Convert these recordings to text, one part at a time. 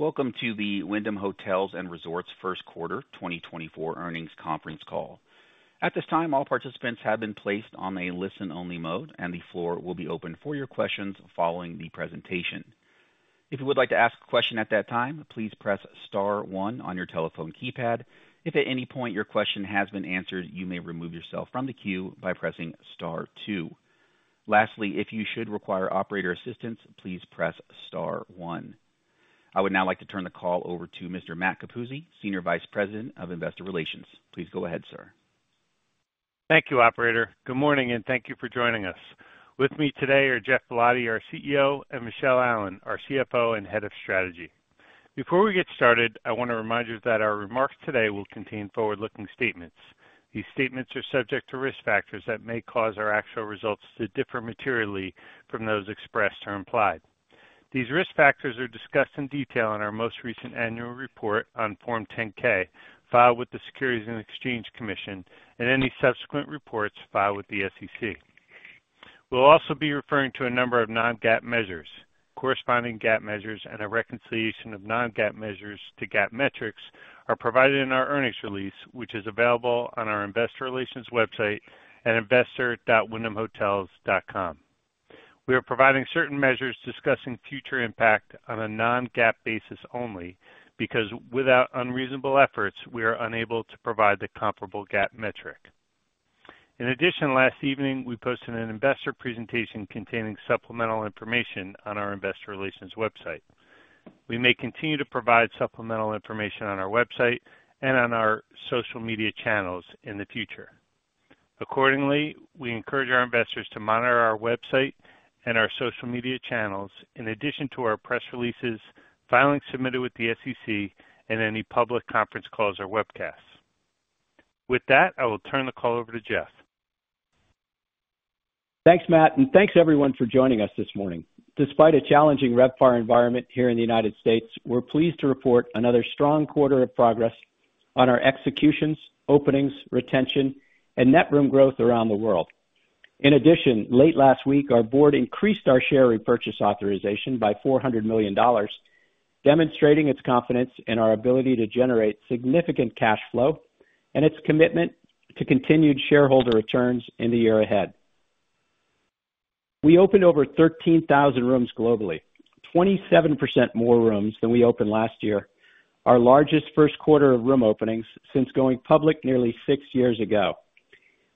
Welcome to the Wyndham Hotels & Resorts first quarter 2024 earnings conference call. At this time, all participants have been placed on a listen-only mode, and the floor will be open for your questions following the presentation. If you would like to ask a question at that time, please press star one on your telephone keypad. If at any point your question has been answered, you may remove yourself from the queue by pressing star two. Lastly, if you should require operator assistance, please press star one. I would now like to turn the call over to Mr. Matt Capuzzi, Senior Vice President of Investor Relations. Please go ahead, sir. Thank you, operator. Good morning, and thank you for joining us. With me today are Geoff Ballotti, our CEO, and Michele Allen, our CFO and Head of Strategy. Before we get started, I want to remind you that our remarks today will contain forward-looking statements. These statements are subject to risk factors that may cause our actual results to differ materially from those expressed or implied. These risk factors are discussed in detail in our most recent annual report on Form 10-K, filed with the Securities and Exchange Commission, and any subsequent reports filed with the SEC. We'll also be referring to a number of non-GAAP measures. Corresponding GAAP measures and a reconciliation of non-GAAP measures to GAAP metrics are provided in our earnings release, which is available on our investor relations website at investor.wyndhamhotels.com. We are providing certain measures discussing future impact on a non-GAAP basis only because without unreasonable efforts, we are unable to provide the comparable GAAP metric. In addition, last evening, we posted an investor presentation containing supplemental information on our investor relations website. We may continue to provide supplemental information on our website and on our social media channels in the future. Accordingly, we encourage our investors to monitor our website and our social media channels in addition to our press releases, filings submitted with the SEC, and any public conference calls or webcasts. With that, I will turn the call over to Geoff. Thanks, Matt, and thanks everyone for joining us this morning. Despite a challenging RevPAR environment here in the United States, we're pleased to report another strong quarter of progress on our executions, openings, retention, and net room growth around the world. In addition, late last week, our board increased our share repurchase authorization by $400 million, demonstrating its confidence in our ability to generate significant cash flow and its commitment to continued shareholder returns in the year ahead. We opened over 13,000 rooms globally, 27% more rooms than we opened last year, our largest first quarter of room openings since going public nearly six years ago.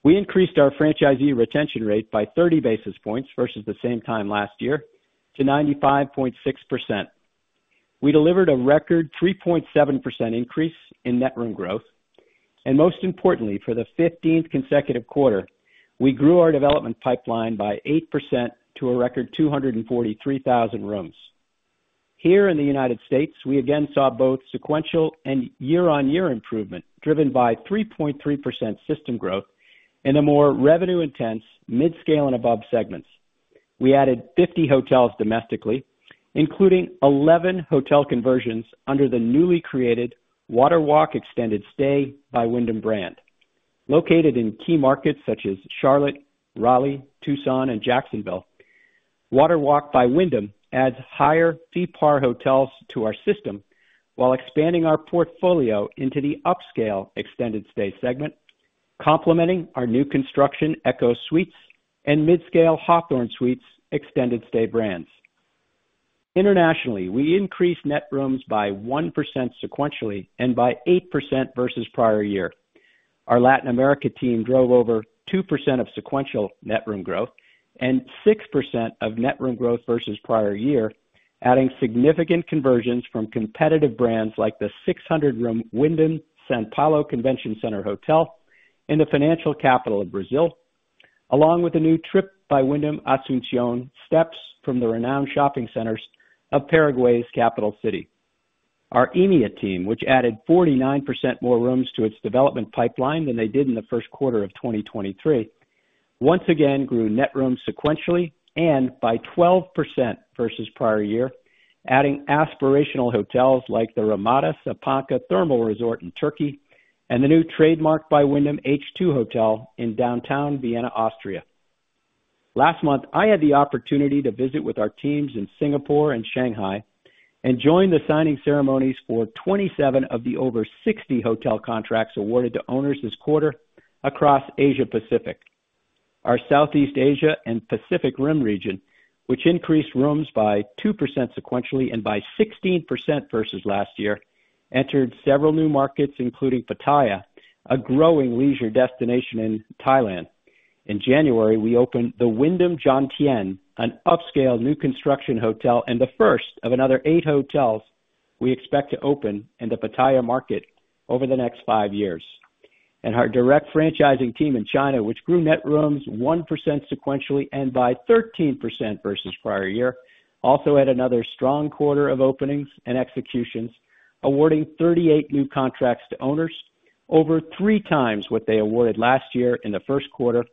We increased our franchisee retention rate by 30 basis points versus the same time last year to 95.6%. We delivered a record 3.7% increase in net room growth, and most importantly, for the 15th consecutive quarter, we grew our development pipeline by 8% to a record 243,000 rooms. Here in the United States, we again saw both sequential and year-on-year improvement, driven by 3.3% system growth in a more revenue intense midscale and above segments. We added 50 hotels domestically, including 11 hotel conversions under the newly created WaterWalk Extended Stay by Wyndham brand. Located in key markets such as Charlotte, Raleigh, Tucson, and Jacksonville, WaterWalk by Wyndham adds higher FeePAR hotels to our system while expanding our portfolio into the upscale extended stay segment, complementing our new construction ECHO Suites and midscale Hawthorn Suites extended stay brands. Internationally, we increased net rooms by 1% sequentially and by 8% versus prior year. Our Latin America team drove over 2% of sequential net room growth and 6% of net room growth versus prior year, adding significant conversions from competitive brands like the 600-room Wyndham São Paulo Convention Plaza Hotel in the financial capital of Brazil, along with the new Tryp by Wyndham Asunción, steps from the renowned shopping centers of Paraguay's capital city. Our EMEA team, which added 49% more rooms to its development pipeline than they did in the first quarter of 2023, once again grew net rooms sequentially and by 12% versus prior year, adding aspirational hotels like the Ramada Resort by Wyndham Sapanca Thermal in Turkey and the new Trademark Collection by Wyndham H2 Hotel in downtown Vienna, Austria. Last month, I had the opportunity to visit with our teams in Singapore and Shanghai and join the signing ceremonies for 27 of the over 60 hotel contracts awarded to owners this quarter across Asia Pacific. Our Southeast Asia and Pacific Rim region, which increased rooms by 2% sequentially and by 16% versus last year, entered several new markets, including Pattaya, a growing leisure destination in Thailand. In January, we opened the Wyndham Jomtien, an upscale new construction hotel and the first of another 8 hotels we expect to open in the Pattaya market over the next five years. Our direct franchising team in China, which grew net rooms 1% sequentially and by 13% versus prior year, also had another strong quarter of openings and executions, awarding 38 new contracts to owners, over three times what they awarded last year in the first quarter,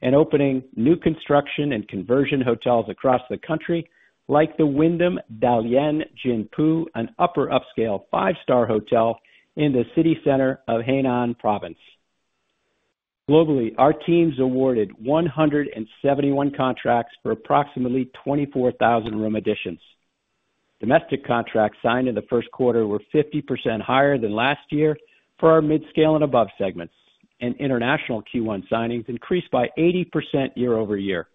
and opening new construction and conversion hotels across the country, like the Wyndham Dalian Jinpu, an upper upscale five-star hotel in the city center of Henan Province. Globally, our teams awarded 171 contracts for approximately 24,000 room additions. Domestic contracts signed in the first quarter were 50% higher than last year for our midscale and above segments, and international Q1 signings increased by 80% year-over-year.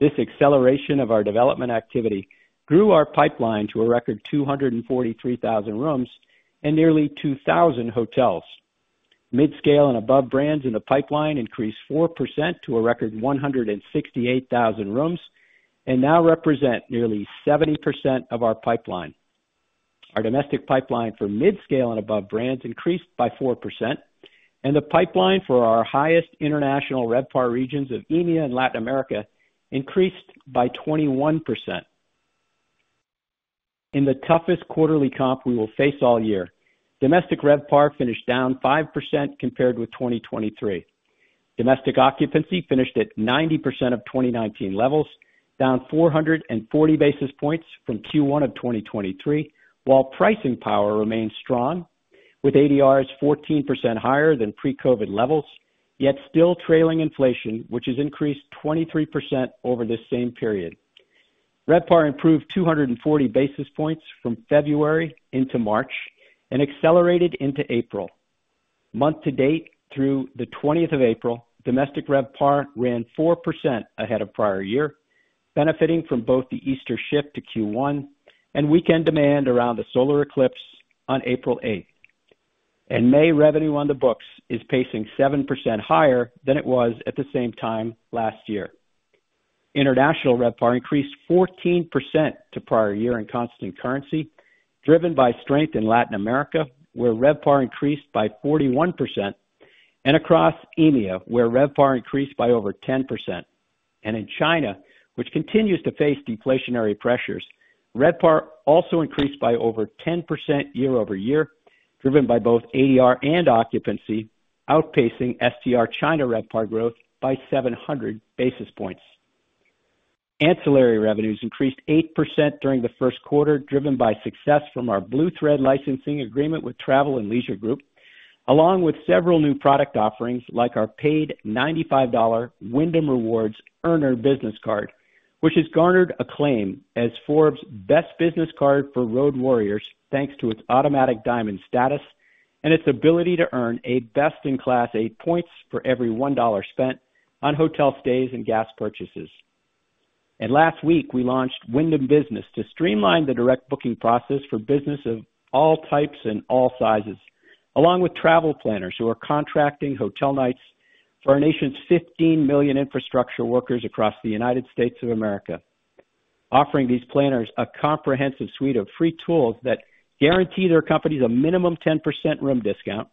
This acceleration of our development activity grew our pipeline to a record 243,000 rooms and nearly 2,000 hotels. Midscale and above brands in the pipeline increased 4% to a record 168,000 rooms and now represent nearly 70% of our pipeline. Our domestic pipeline for midscale and above brands increased by 4%, and the pipeline for our highest international RevPAR regions of EMEA and Latin America increased by 21%. In the toughest quarterly comp we will face all year, domestic RevPAR finished down 5% compared with 2023. Domestic occupancy finished at 90% of 2019 levels, down 440 basis points from Q1 of 2023, while pricing power remains strong, with ADRs 14% higher than pre-COVID levels, yet still trailing inflation, which has increased 23% over this same period. RevPAR improved 240 basis points from February into March and accelerated into April. Month to date, through the 20th of April, domestic RevPAR ran 4% ahead of prior year, benefiting from both the Easter shift to Q1 and weekend demand around the solar eclipse on April 8th. May revenue on the books is pacing 7% higher than it was at the same time last year. International RevPAR increased 14% to prior year in constant currency, driven by strength in Latin America, where RevPAR increased by 41%, and across EMEA, where RevPAR increased by over 10%. In China, which continues to face deflationary pressures, RevPAR also increased by over 10% year-over-year, driven by both ADR and occupancy, outpacing STR China RevPAR growth by 700 basis points. Ancillary revenues increased 8% during the first quarter, driven by success from our Blue Thread licensing agreement with Travel and Leisure Group, along with several new product offerings, like our paid $95 Wyndham Rewards Earner Business card, which has garnered acclaim as Forbes' best business card for road warriors, thanks to its automatic diamond status and its ability to earn a best-in-class eight points for every $1 spent on hotel stays and gas purchases. Last week, we launched Wyndham Business to streamline the direct booking process for business of all types and all sizes, along with travel planners who are contracting hotel nights for our nation's 15 million infrastructure workers across the United States of America, offering these planners a comprehensive suite of free tools that guarantee their companies a minimum 10% room discount,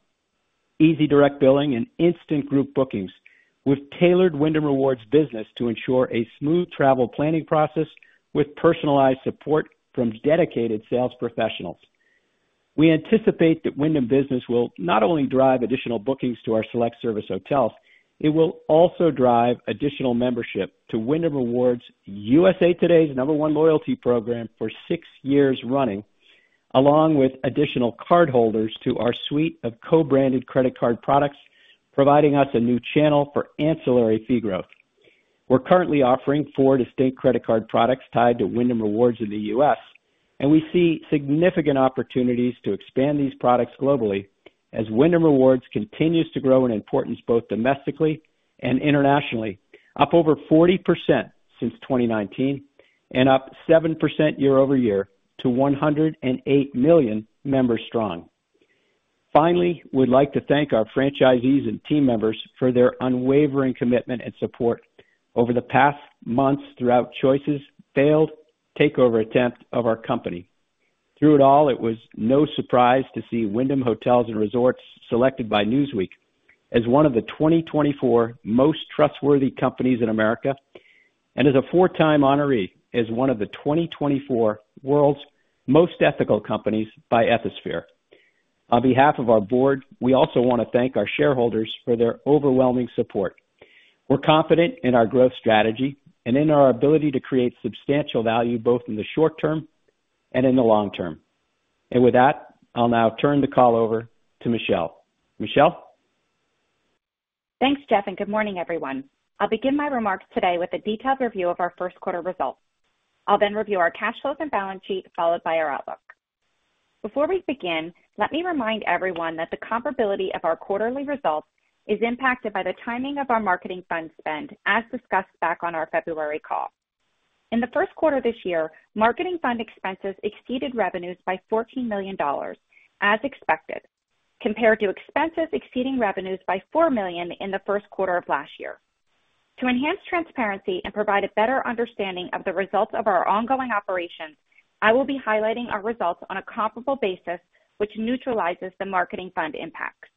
easy direct billing, and instant group bookings, with tailored Wyndham Rewards business to ensure a smooth travel planning process with personalized support from dedicated sales professionals. We anticipate that Wyndham Business will not only drive additional bookings to our select service hotels, it will also drive additional membership to Wyndham Rewards, USA TODAY's number one loyalty program for six years running, along with additional cardholders to our suite of co-branded credit card products, providing us a new channel for ancillary fee growth. We're currently offering four distinct credit card products tied to Wyndham Rewards in the U.S., and we see significant opportunities to expand these products globally as Wyndham Rewards continues to grow in importance, both domestically and internationally, up over 40% since 2019 and up 7% year-over-year to 108 million members strong. Finally, we'd like to thank our franchisees and team members for their unwavering commitment and support over the past months throughout Choice's failed takeover attempt of our company. Through it all, it was no surprise to see Wyndham Hotels & Resorts selected by Newsweek as one of the 2024 Most Trustworthy Companies in America, and as a four-time honoree, as one of the 2024 World's Most Ethical Companies by Ethisphere. On behalf of our board, we also want to thank our shareholders for their overwhelming support. We're confident in our growth strategy and in our ability to create substantial value, both in the short term and in the long term. With that, I'll now turn the call over to Michelle. Michelle? Thanks, Geoff, and good morning, everyone. I'll begin my remarks today with a detailed review of our first quarter results. I'll then review our cash flows and balance sheet, followed by our outlook. Before we begin, let me remind everyone that the comparability of our quarterly results is impacted by the timing of our marketing fund spend, as discussed back on our February call. In the first quarter this year, marketing fund expenses exceeded revenues by $14 million, as expected, compared to expenses exceeding revenues by $4 million in the first quarter of last year. To enhance transparency and provide a better understanding of the results of our ongoing operations, I will be highlighting our results on a comparable basis, which neutralizes the marketing fund impacts.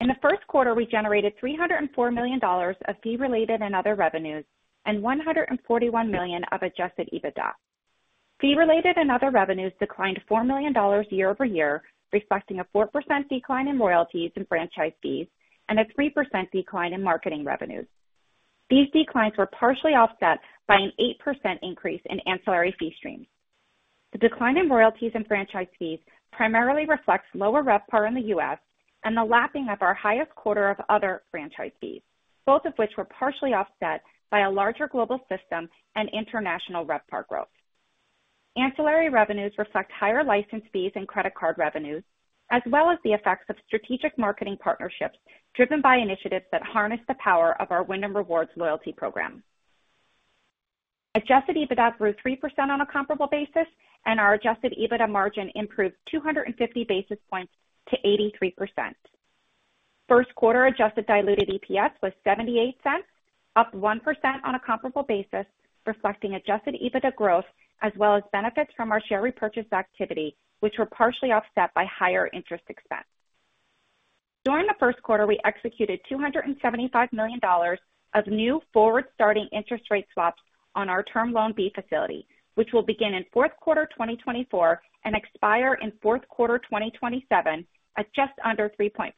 In the first quarter, we generated $304 million of fee-related and other revenues, and $141 million of Adjusted EBITDA. Fee-related and other revenues declined $4 million year-over-year, reflecting a 4% decline in royalties and franchise fees and a 3% decline in marketing revenues. These declines were partially offset by an 8% increase in ancillary fee streams.... The decline in royalties and franchise fees primarily reflects lower RevPAR in the U.S. and the lapping of our highest quarter of other franchise fees, both of which were partially offset by a larger global system and international RevPAR growth. Ancillary revenues reflect higher license fees and credit card revenues, as well as the effects of strategic marketing partnerships, driven by initiatives that harness the power of our Wyndham Rewards loyalty program. Adjusted EBITDA grew 3% on a comparable basis, and our adjusted EBITDA margin improved 250 basis points to 83%. First quarter adjusted diluted EPS was $0.78, up 1% on a comparable basis, reflecting adjusted EBITDA growth, as well as benefits from our share repurchase activity, which were partially offset by higher interest expense. During the first quarter, we executed $275 million of new forward-starting interest rate swaps on our Term Loan B facility, which will begin in fourth quarter 2024 and expire in fourth quarter 2027 at just under 3.4%.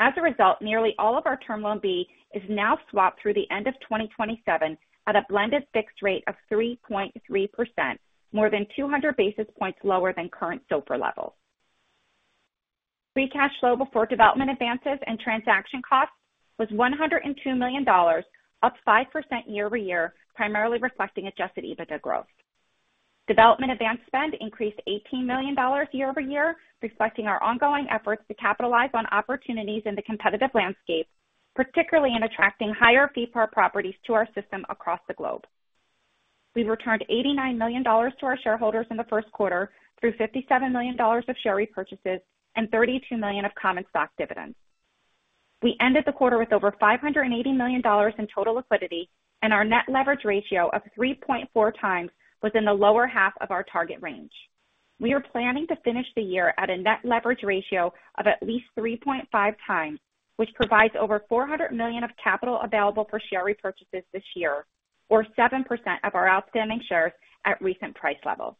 As a result, nearly all of our Term Loan B is now swapped through the end of 2027 at a blended fixed rate of 3.3%, more than 200 basis points lower than current SOFR levels. Free cash flow before development advances and transaction costs was $102 million, up 5% year-over-year, primarily reflecting adjusted EBITDA growth. Development advance spend increased $18 million year-over-year, reflecting our ongoing efforts to capitalize on opportunities in the competitive landscape, particularly in attracting higher fee par properties to our system across the globe. We returned $89 million to our shareholders in the first quarter through $57 million of share repurchases and $32 million of common stock dividends. We ended the quarter with over $580 million in total liquidity, and our net leverage ratio of 3.4 times was in the lower half of our target range. We are planning to finish the year at a net leverage ratio of at least 3.5 times, which provides over $400 million of capital available for share repurchases this year, or 7% of our outstanding shares at recent price levels.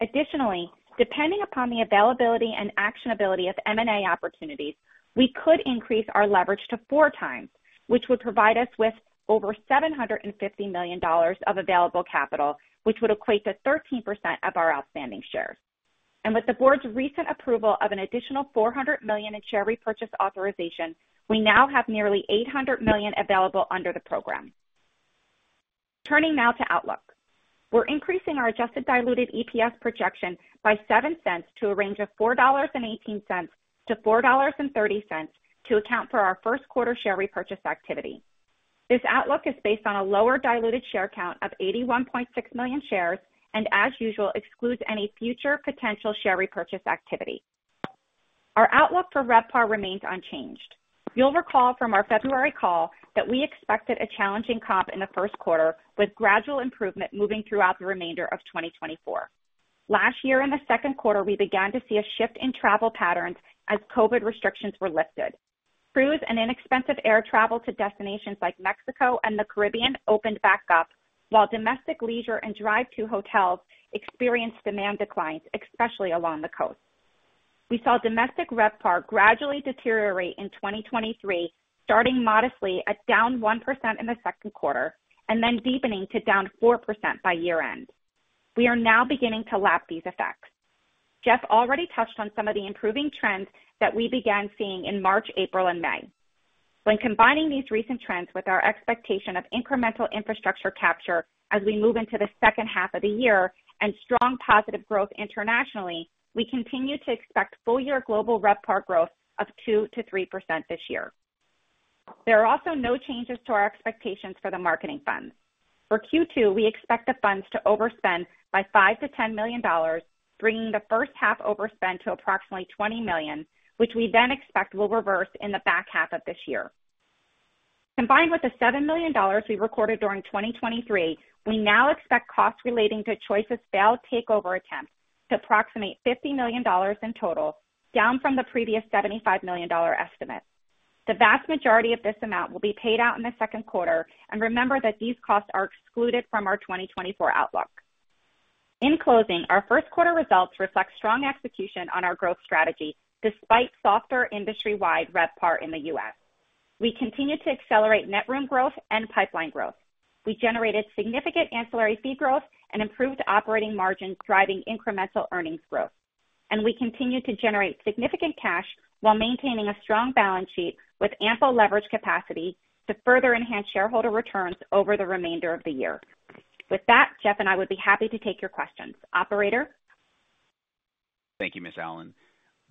Additionally, depending upon the availability and actionability of M&A opportunities, we could increase our leverage to 4 times, which would provide us with over $750 million of available capital, which would equate to 13% of our outstanding shares. With the board's recent approval of an additional $400 million in share repurchase authorization, we now have nearly $800 million available under the program. Turning now to outlook. We're increasing our adjusted diluted EPS projection by $0.07 to a range of $4.18-$4.30 to account for our first quarter share repurchase activity. This outlook is based on a lower diluted share count of 81.6 million shares, and as usual, excludes any future potential share repurchase activity. Our outlook for RevPAR remains unchanged. You'll recall from our February call that we expected a challenging comp in the first quarter, with gradual improvement moving throughout the remainder of 2024. Last year, in the second quarter, we began to see a shift in travel patterns as COVID restrictions were lifted. Cruise and inexpensive air travel to destinations like Mexico and the Caribbean opened back up, while domestic leisure and drive to hotels experienced demand declines, especially along the coast. We saw domestic RevPAR gradually deteriorate in 2023, starting modestly at down 1% in the second quarter and then deepening to down 4% by year-end. We are now beginning to lap these effects. Geoff already touched on some of the improving trends that we began seeing in March, April and May. When combining these recent trends with our expectation of incremental infrastructure capture as we move into the second half of the year and strong positive growth internationally, we continue to expect full-year global RevPAR growth of 2%-3% this year. There are also no changes to our expectations for the marketing funds. For Q2, we expect the funds to overspend by $5 million-$10 million, bringing the first half overspend to approximately $20 million, which we then expect will reverse in the back half of this year. Combined with the $7 million we recorded during 2023, we now expect costs relating to Choice's failed takeover attempt to approximate $50 million in total, down from the previous $75 million dollar estimate. The vast majority of this amount will be paid out in the second quarter. Remember that these costs are excluded from our 2024 outlook. In closing, our first quarter results reflect strong execution on our growth strategy, despite softer industry-wide RevPAR in the U.S. We continued to accelerate net room growth and pipeline growth. We generated significant ancillary fee growth and improved operating margins, driving incremental earnings growth. We continued to generate significant cash while maintaining a strong balance sheet with ample leverage capacity to further enhance shareholder returns over the remainder of the year. With that, Jeff and I would be happy to take your questions. Operator? Thank you, Ms. Allen.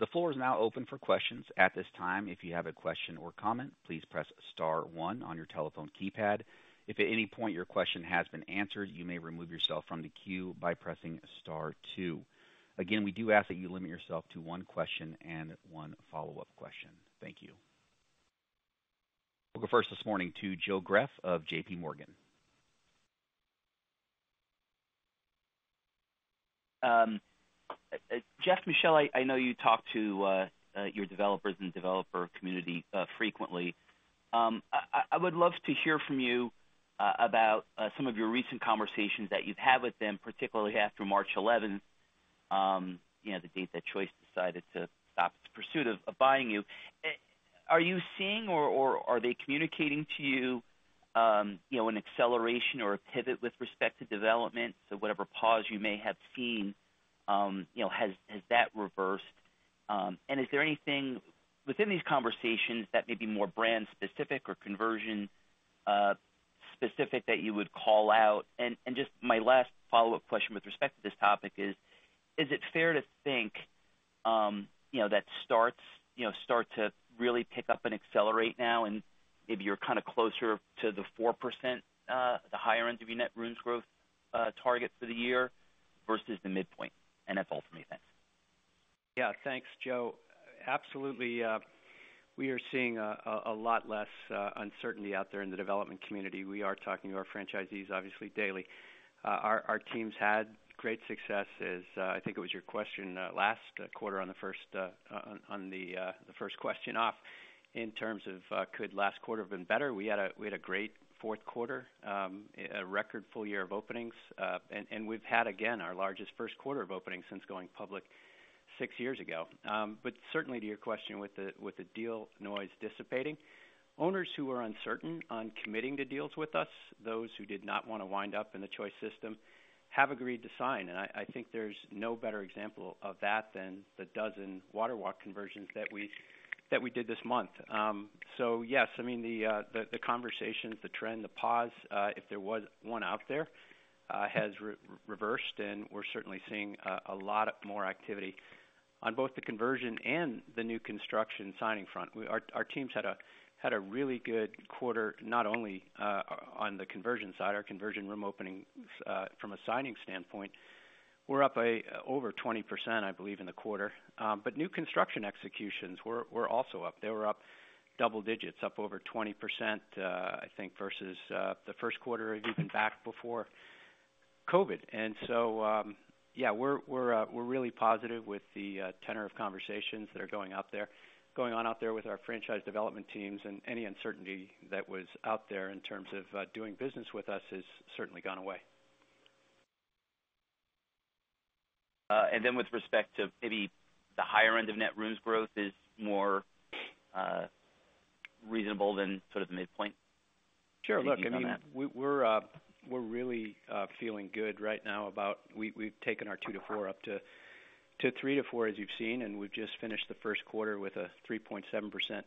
The floor is now open for questions. At this time, if you have a question or comment, please press star one on your telephone keypad. If at any point your question has been answered, you may remove yourself from the queue by pressing star two. Again, we do ask that you limit yourself to one question and one follow-up question. Thank you. We'll go first this morning to Joe Greff of JPMorgan. Geoff, Michelle, I know you talk to your developers and developer community frequently. I would love to hear from you about some of your recent conversations that you've had with them, particularly after March eleventh... you know, the date that Choice decided to stop the pursuit of buying you. Are you seeing or are they communicating to you, you know, an acceleration or a pivot with respect to development? So whatever pause you may have seen, you know, has that reversed? And is there anything within these conversations that may be more brand specific or conversion specific that you would call out? And just my last follow-up question with respect to this topic is: Is it fair to think, you know, that starts, you know, start to really pick up and accelerate now, and maybe you're kind of closer to the 4%, the higher end of your net rooms growth target for the year versus the midpoint? That's all for me. Thanks. Yeah. Thanks, Joe. Absolutely, we are seeing a lot less uncertainty out there in the development community. We are talking to our franchisees, obviously, daily. Our teams had great successes. I think it was your question last quarter on the first question off in terms of could last quarter have been better? We had a great fourth quarter, a record full year of openings. We've had, again, our largest first quarter of openings since going public six years ago. But certainly to your question, with the deal noise dissipating, owners who are uncertain on committing to deals with us, those who did not want to wind up in the Choice system, have agreed to sign. I think there's no better example of that than the 12 WaterWalk conversions that we did this month. So yes, I mean, the conversations, the trend, the pause, if there was one out there, has reversed, and we're certainly seeing a lot more activity on both the conversion and the new construction signing front. Our teams had a really good quarter, not only on the conversion side. Our conversion room openings from a signing standpoint were up over 20%, I believe, in the quarter. But new construction executions were also up. They were up double digits, up over 20%, I think, versus the first quarter, even back before COVID. And so, yeah, we're really positive with the tenor of conversations that are going out there, going on out there with our franchise development teams, and any uncertainty that was out there in terms of doing business with us has certainly gone away. And then with respect to maybe the higher end of net rooms growth is more reasonable than sort of the midpoint? Sure. Look, I mean- Any view on that? we're really feeling good right now about we've taken our two-four up to three-four, as you've seen, and we've just finished the first quarter with a 3.7%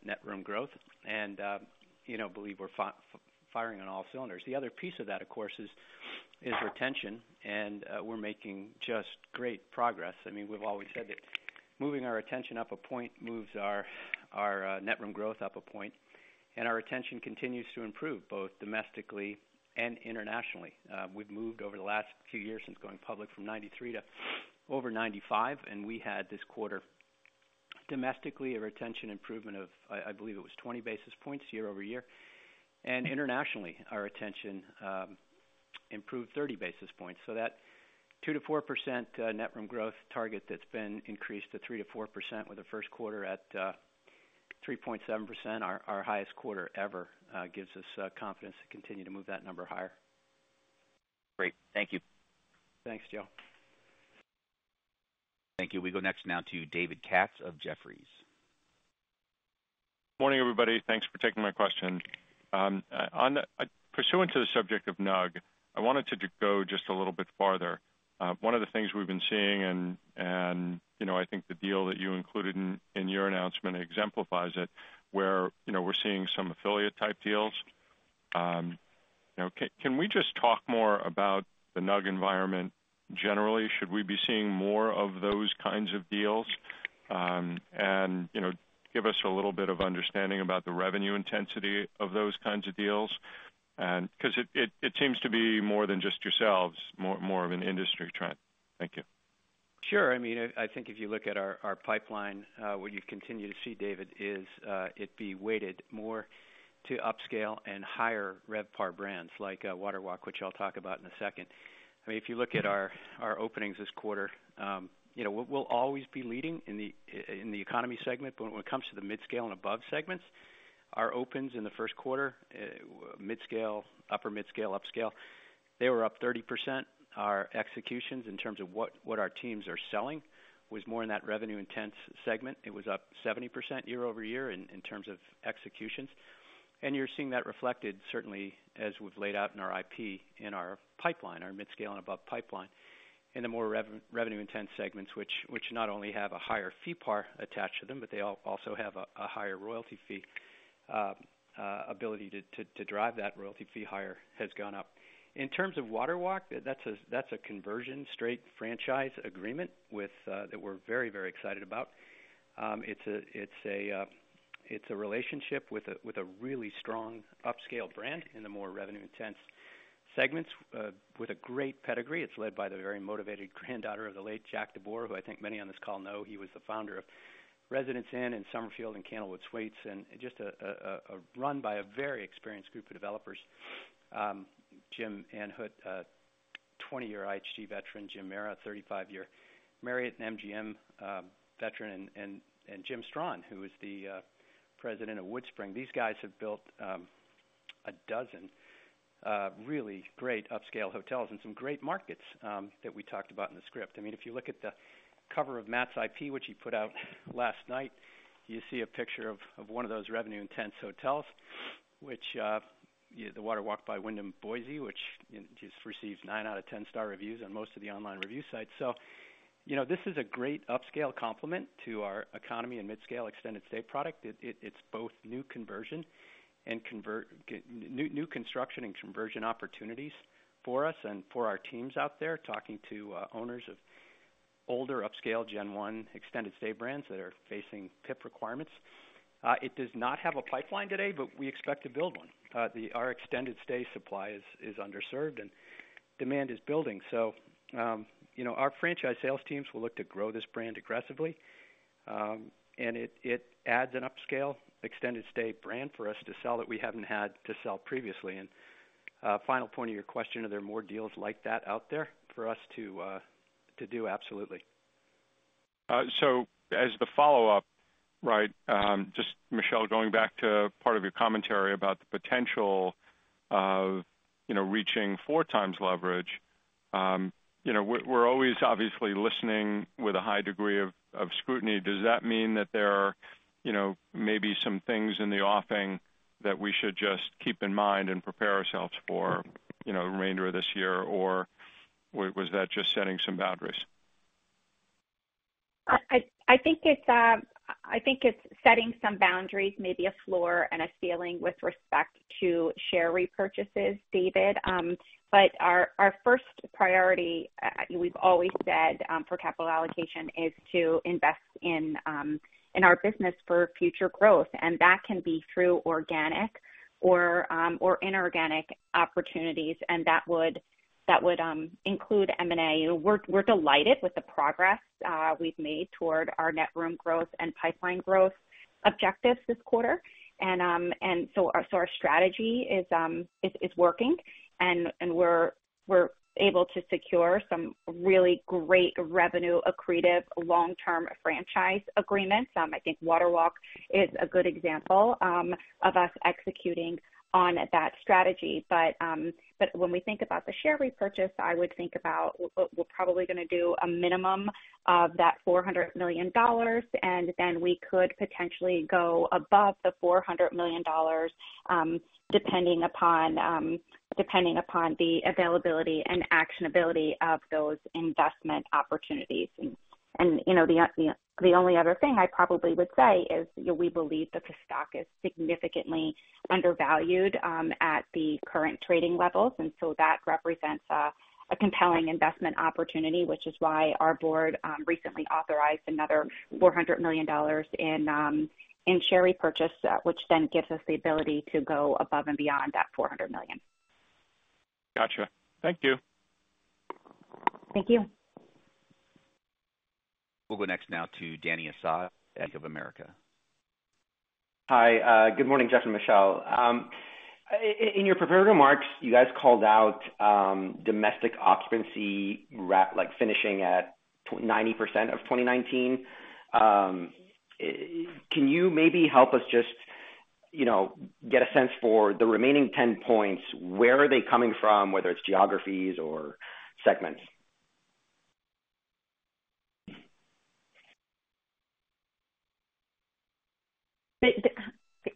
net room growth. And, you know, believe we're firing on all cylinders. The other piece of that, of course, is retention, and we're making just great progress. I mean, we've always said that moving our retention up a point moves our net room growth up a point, and our retention continues to improve, both domestically and internationally. We've moved over the last few years since going public from 93 to over 95, and we had this quarter, domestically, a retention improvement of, I believe it was 20 basis points year-over-year. And internationally, our retention improved 30 basis points. So that 2%-4% net room growth target that's been increased to 3%-4%, with the first quarter at 3.7%, our highest quarter ever, gives us confidence to continue to move that number higher. Great. Thank you. Thanks, Joe. Thank you. We go next now to David Katz of Jefferies. Morning, everybody. Thanks for taking my question. On the pursuant to the subject of NUG, I wanted to go just a little bit farther. One of the things we've been seeing, and, you know, I think the deal that you included in, in your announcement exemplifies it, where, you know, we're seeing some affiliate-type deals. You know, can we just talk more about the NUG environment generally? Should we be seeing more of those kinds of deals? And, you know, give us a little bit of understanding about the revenue intensity of those kinds of deals. And because it seems to be more than just yourselves, more of an industry trend. Thank you. Sure. I mean, I think if you look at our pipeline, what you continue to see, David, is it be weighted more to upscale and higher RevPAR brands, like WaterWalk, which I'll talk about in a second. I mean, if you look at our openings this quarter, you know, we'll always be leading in the economy segment, but when it comes to the midscale and above segments, our opens in the first quarter, midscale, upper midscale, upscale, they were up 30%. Our executions, in terms of what our teams are selling, was more in that revenue intense segment. It was up 70% year-over-year in terms of executions. You're seeing that reflected, certainly, as we've laid out in our IP, in our pipeline, our midscale and above pipeline, in the more revenue intense segments, which not only have a higher fee par attached to them, but they also have a higher royalty fee ability to drive that royalty fee higher, has gone up. In terms of WaterWalk, that's a conversion straight franchise agreement with that we're very, very excited about. It's a relationship with a really strong upscale brand in the more revenue intense segments with a great pedigree. It's led by the very motivated granddaughter of the late Jack DeBoer, who I think many on this call know. He was the founder of Residence Inn and Summerfield Suites and Candlewood Suites, and just run by a very experienced group of developers. Jim Anhut, 20-year IHG veteran, Jim Mara, 35-year Marriott and MGM veteran, and Jim Strachan, who is the president of WoodSpring Suites. These guys have built 12 really great upscale hotels and some great markets that we talked about in the script. I mean, if you look at the cover of Matt's IP, which he put out last night, you see a picture of one of those revenue-intense hotels, which the WaterWalk by Wyndham Boise, which just receives 9 out of 10 star reviews on most of the online review sites. So, you know, this is a great upscale complement to our economy and mid-scale extended stay product. It's both new construction and conversion opportunities for us and for our teams out there, talking to owners of older upscale gen one extended stay brands that are facing PIP requirements. It does not have a pipeline today, but we expect to build one. Our extended stay supply is underserved and demand is building. So, you know, our franchise sales teams will look to grow this brand aggressively. And it adds an upscale extended stay brand for us to sell that we haven't had to sell previously. And final point of your question, are there more deals like that out there for us to do? Absolutely. So as the follow-up, right, just Michelle, going back to part of your commentary about the potential of, you know, reaching 4x leverage. You know, we're always obviously listening with a high degree of scrutiny. Does that mean that there are, you know, maybe some things in the offing that we should just keep in mind and prepare ourselves for, you know, the remainder of this year, or was that just setting some boundaries? I think it's setting some boundaries, maybe a floor and a ceiling with respect to share repurchases, David. But our first priority, we've always said, for capital allocation, is to invest in our business for future growth, and that can be through organic or inorganic opportunities, and that would include M&A. We're delighted with the progress we've made toward our net room growth and pipeline growth objectives this quarter. And so our strategy is working, and we're able to secure some really great revenue, accretive, long-term franchise agreements. I think WaterWalk is a good example of us executing on that strategy. But when we think about the share repurchase, I would think about we're probably going to do a minimum of that $400 million, and then we could potentially go above the $400 million, depending upon, depending upon the availability and actionability of those investment opportunities. And, you know, the, the only other thing I probably would say is, you know, we believe that the stock is significantly undervalued, at the current trading levels, and so that represents, a compelling investment opportunity, which is why our board, recently authorized another $400 million in, in share repurchase, which then gives us the ability to go above and beyond that $400 million. Gotcha. Thank you. Thank you. We'll go next now to Dany Asad, Bank of America. Hi, good morning, Geoff and Michelle. In your prepared remarks, you guys called out domestic occupancy, RevPAR, like, finishing at 90% of 2019. Can you maybe help us just, you know, get a sense for the remaining 10 points, where are they coming from, whether it's geographies or segments?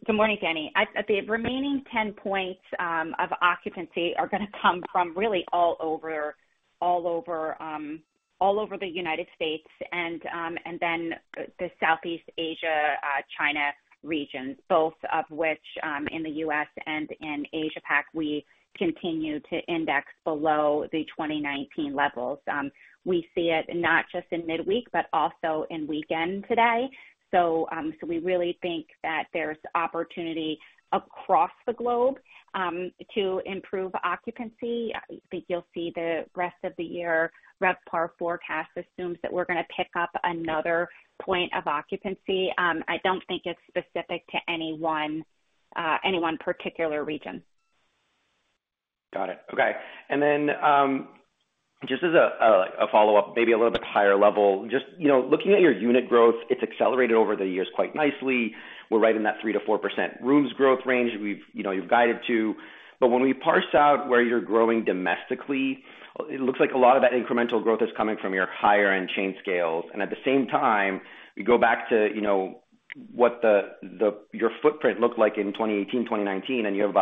Good morning, Dany. At the remaining 10 points of occupancy are going to come from really all over the United States and then the Southeast Asia, China regions, both of which in the U.S. and in Asia Pac, we continue to index below the 2019 levels. We see it not just in midweek, but also in weekend today. So we really think that there's opportunity across the globe to improve occupancy. I think you'll see the rest of the year, RevPAR forecast assumes that we're going to pick up another point of occupancy. I don't think it's specific to any one particular region. Got it. Okay. And then, just as a follow-up, maybe a little bit higher level, just, you know, looking at your unit growth, it's accelerated over the years quite nicely. We're right in that 3%-4% rooms growth range we've, you know, you've guided to. But when we parse out where you're growing domestically, it looks like a lot of that incremental growth is coming from your higher-end chain scales. And at the same time, we go back to, you know, what your footprint looked like in 2018, 2019, and you have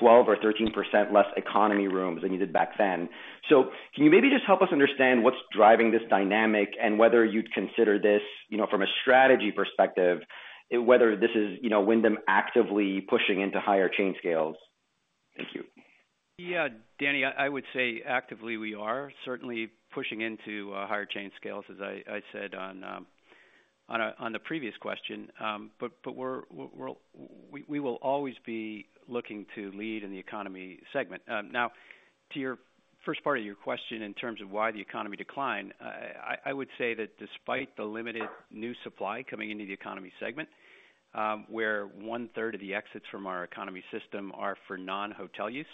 about 12% or 13% less economy rooms than you did back then. So can you maybe just help us understand what's driving this dynamic and whether you'd consider this, you know, from a strategy perspective, whether this is, you know, Wyndham actively pushing into higher chain scales? Thank you. Yeah, Danny, I would say actively, we are certainly pushing into higher chain scales, as I said on the previous question. But we will always be looking to lead in the economy segment. Now, to your first part of your question, in terms of why the economy declined, I would say that despite the limited new supply coming into the economy segment, where one-third of the exits from our economy system are for non-hotel use.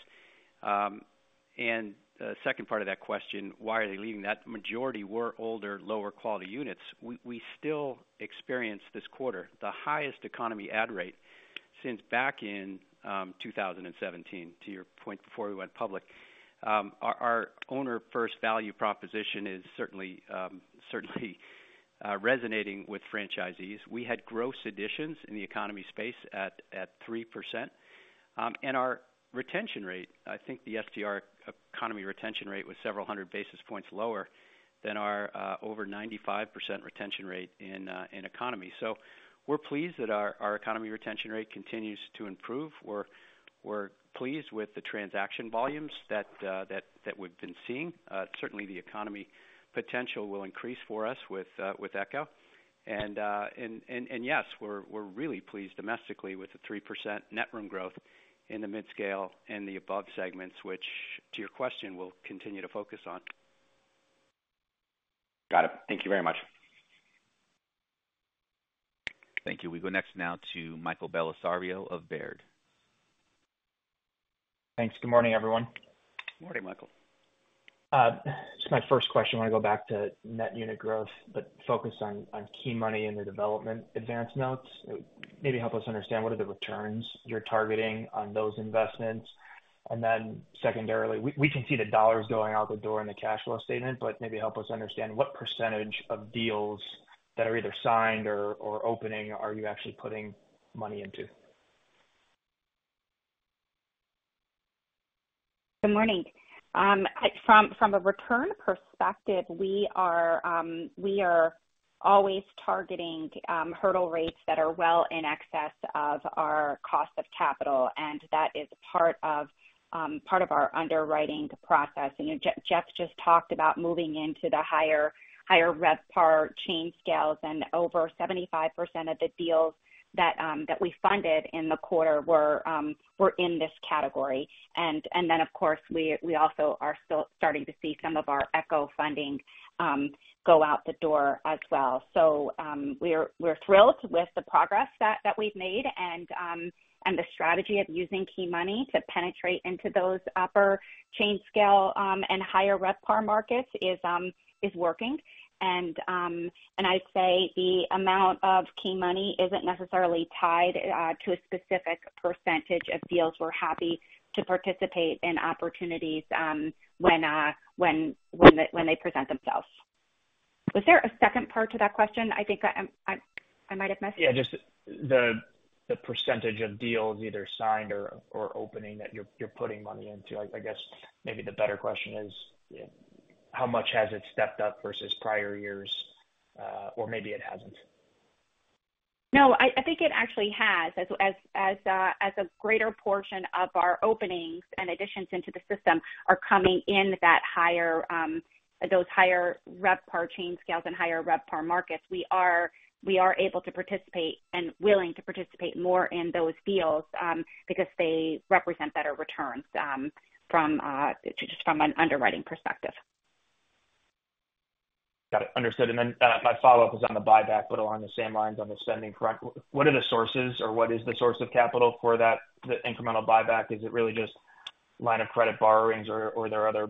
And the second part of that question, why are they leaving? That majority were older, lower quality units. We still experienced this quarter, the highest economy ad rate since back in 2017, to your point, before we went public. Our owner-first value proposition is certainly resonating with franchisees. We had gross additions in the economy space at 3%, and our retention rate, I think the STR economy retention rate was several hundred basis points lower than our over 95% retention rate in economy. So we're pleased that our economy retention rate continues to improve. We're pleased with the transaction volumes that we've been seeing. Certainly the economy potential will increase for us with Echo. And yes, we're really pleased domestically with the 3% net room growth in the mid-scale and the above segments, which, to your question, we'll continue to focus on. Got it. Thank you very much. Thank you. We go next now to Michael Bellisario of Baird. Thanks. Good morning, everyone. Good morning, Michael. So my first question, I want to go back to net unit growth, but focus on Key Money in the Development Advance notes. Maybe help us understand what are the returns you're targeting on those investments. And then secondarily, we can see the dollars going out the door in the cash flow statement, but maybe help us understand what percentage of deals that are either signed or opening are you actually putting money into? Good morning. From a return perspective, we are always targeting hurdle rates that are well in excess of our cost of capital, and that is part of our underwriting process. You know, Jeff just talked about moving into the higher RevPAR chain scales, and over 75% of the deals that we funded in the quarter were in this category. And then, of course, we also are still starting to see some of our ECHO funding go out the door as well. So, we're thrilled with the progress that we've made and the strategy of using key money to penetrate into those upper chain scale and higher RevPAR markets is working. I'd say the amount of key money isn't necessarily tied to a specific percentage of deals. We're happy to participate in opportunities when they present themselves. Was there a second part to that question? I think I might have missed it. Yeah, just the percentage of deals either signed or opening that you're putting money into. I guess maybe the better question is, how much has it stepped up versus prior years? Or maybe it hasn't. No, I think it actually has. As a greater portion of our openings and additions into the system are coming in those higher RevPAR chain scales and higher RevPAR markets, we are able to participate and willing to participate more in those deals, because they represent better returns from just an underwriting perspective. Got it. Understood. And then, my follow-up is on the buyback, but along the same lines on the spending, correct? What are the sources or what is the source of capital for that, the incremental buyback? Is it really just line of credit borrowings, or, or there are other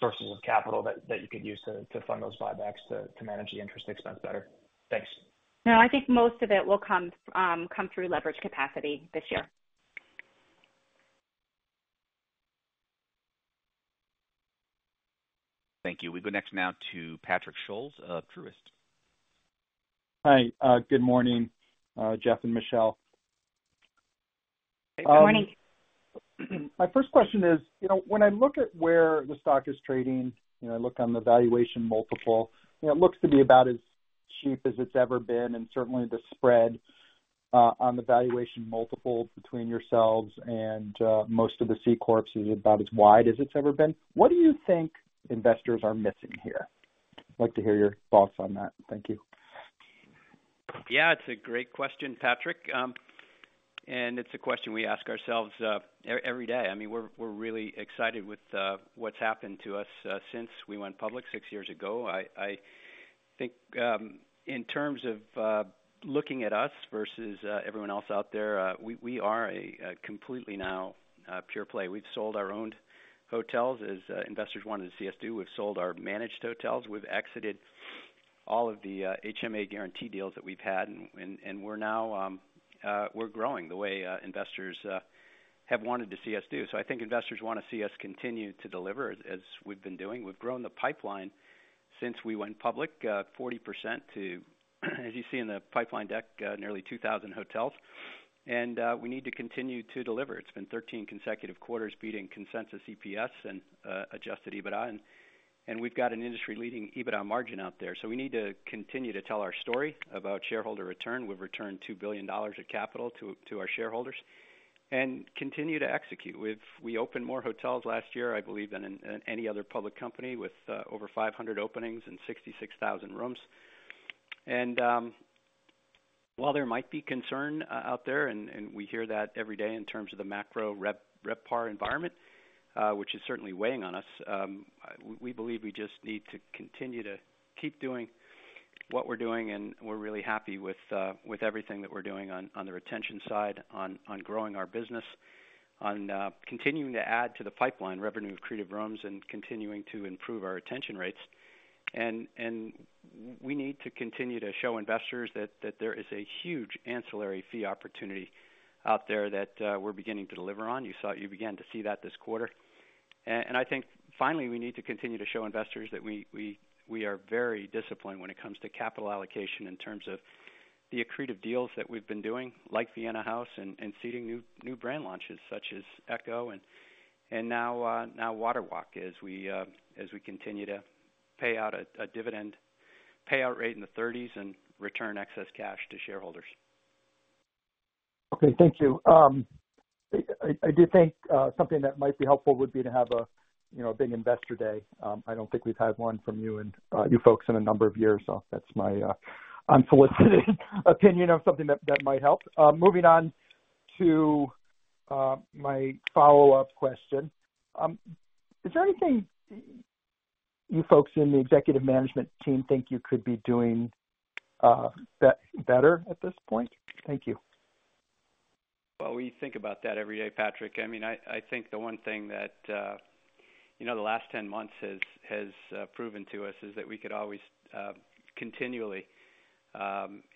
sources of capital that, that you could use to, to fund those buybacks to, to manage the interest expense better? Thanks. No, I think most of it will come, come through leverage capacity this year. Thank you. We go next now to Patrick Scholes of Truist. Hi, good morning, Jeff and Michelle. Good morning. My first question is, you know, when I look at where the stock is trading, you know, I look on the valuation multiple, you know, it looks to be about as cheap as it's ever been, and certainly the spread on the valuation multiple between yourselves and most of the C corps is about as wide as it's ever been. What do you think investors are missing here? I'd like to hear your thoughts on that. Thank you. Yeah, it's a great question, Patrick. And it's a question we ask ourselves every day. I mean, we're really excited with what's happened to us since we went public six years ago. I think, in terms of looking at us versus everyone else out there, we are a completely now pure play. We've sold our own hotels, as investors wanted to see us do. We've sold our managed hotels. We've exited all of the HMA guarantee deals that we've had, and we're now growing the way investors have wanted to see us do. So I think investors want to see us continue to deliver as we've been doing. We've grown the pipeline since we went public 40% to, as you see in the pipeline deck, nearly 2,000 hotels. We need to continue to deliver. It's been 13 consecutive quarters, beating consensus EPS and adjusted EBITDA, and we've got an industry-leading EBITDA margin out there. So we need to continue to tell our story about shareholder return. We've returned $2 billion of capital to our shareholders and continue to execute. We opened more hotels last year, I believe, than any other public company with over 500 openings and 66,000 rooms. While there might be concern out there, and we hear that every day in terms of the macro RevPAR environment, which is certainly weighing on us, we believe we just need to continue to keep doing... What we're doing, and we're really happy with everything that we're doing on the retention side, on growing our business, on continuing to add to the pipeline revenue accretive rooms, and continuing to improve our retention rates. And we need to continue to show investors that there is a huge ancillary fee opportunity out there that we're beginning to deliver on. You began to see that this quarter. I think finally, we need to continue to show investors that we are very disciplined when it comes to capital allocation in terms of the accretive deals that we've been doing, like Vienna House and seeding new brand launches, such as Echo and now WaterWalk, as we continue to pay out a dividend payout rate in the thirties and return excess cash to shareholders. Okay, thank you. I do think something that might be helpful would be to have a, you know, a big investor day. I don't think we've had one from you and you folks in a number of years, so that's my unsolicited opinion of something that might help. Moving on to my follow-up question. Is there anything you folks in the executive management team think you could be doing better at this point? Thank you. Well, we think about that every day, Patrick. I mean, I think the one thing that, you know, the last 10 months has proven to us is that we could always continually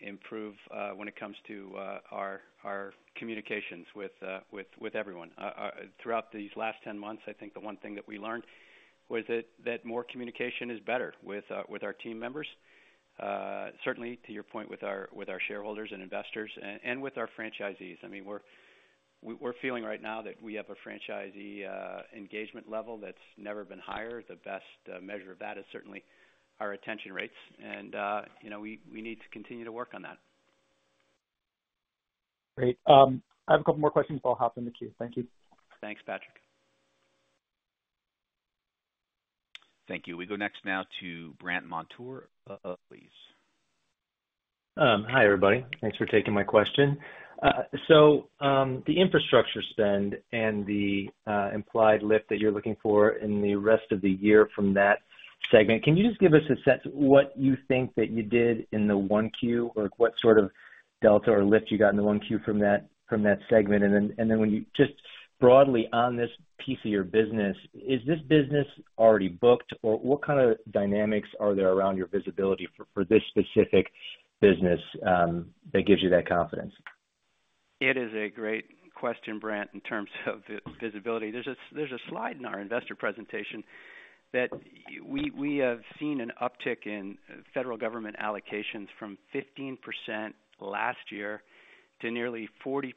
improve when it comes to our communications with everyone. Throughout these last 10 months, I think the one thing that we learned was that more communication is better with our team members, certainly to your point, with our shareholders and investors, and with our franchisees. I mean, we're feeling right now that we have a franchisee engagement level that's never been higher. The best measure of that is certainly our retention rates, and you know, we need to continue to work on that. Great. I have a couple more questions. I'll hop in the queue. Thank you. Thanks, Patrick. Thank you. We go next now to Brandt Montour, please. Hi, everybody. Thanks for taking my question. So, the infrastructure spend and the, implied lift that you're looking for in the rest of the year from that segment, can you just give us a sense of what you think that you did in the 1Q, or what sort of delta or lift you got in the 1Q from that, from that segment? And then when you... Just broadly on this piece of your business, is this business already booked, or what kind of dynamics are there around your visibility for, for this specific business, that gives you that confidence? It is a great question, Brandt, in terms of visibility. There's a slide in our investor presentation that we have seen an uptick in federal government allocations from 15% last year to nearly 40%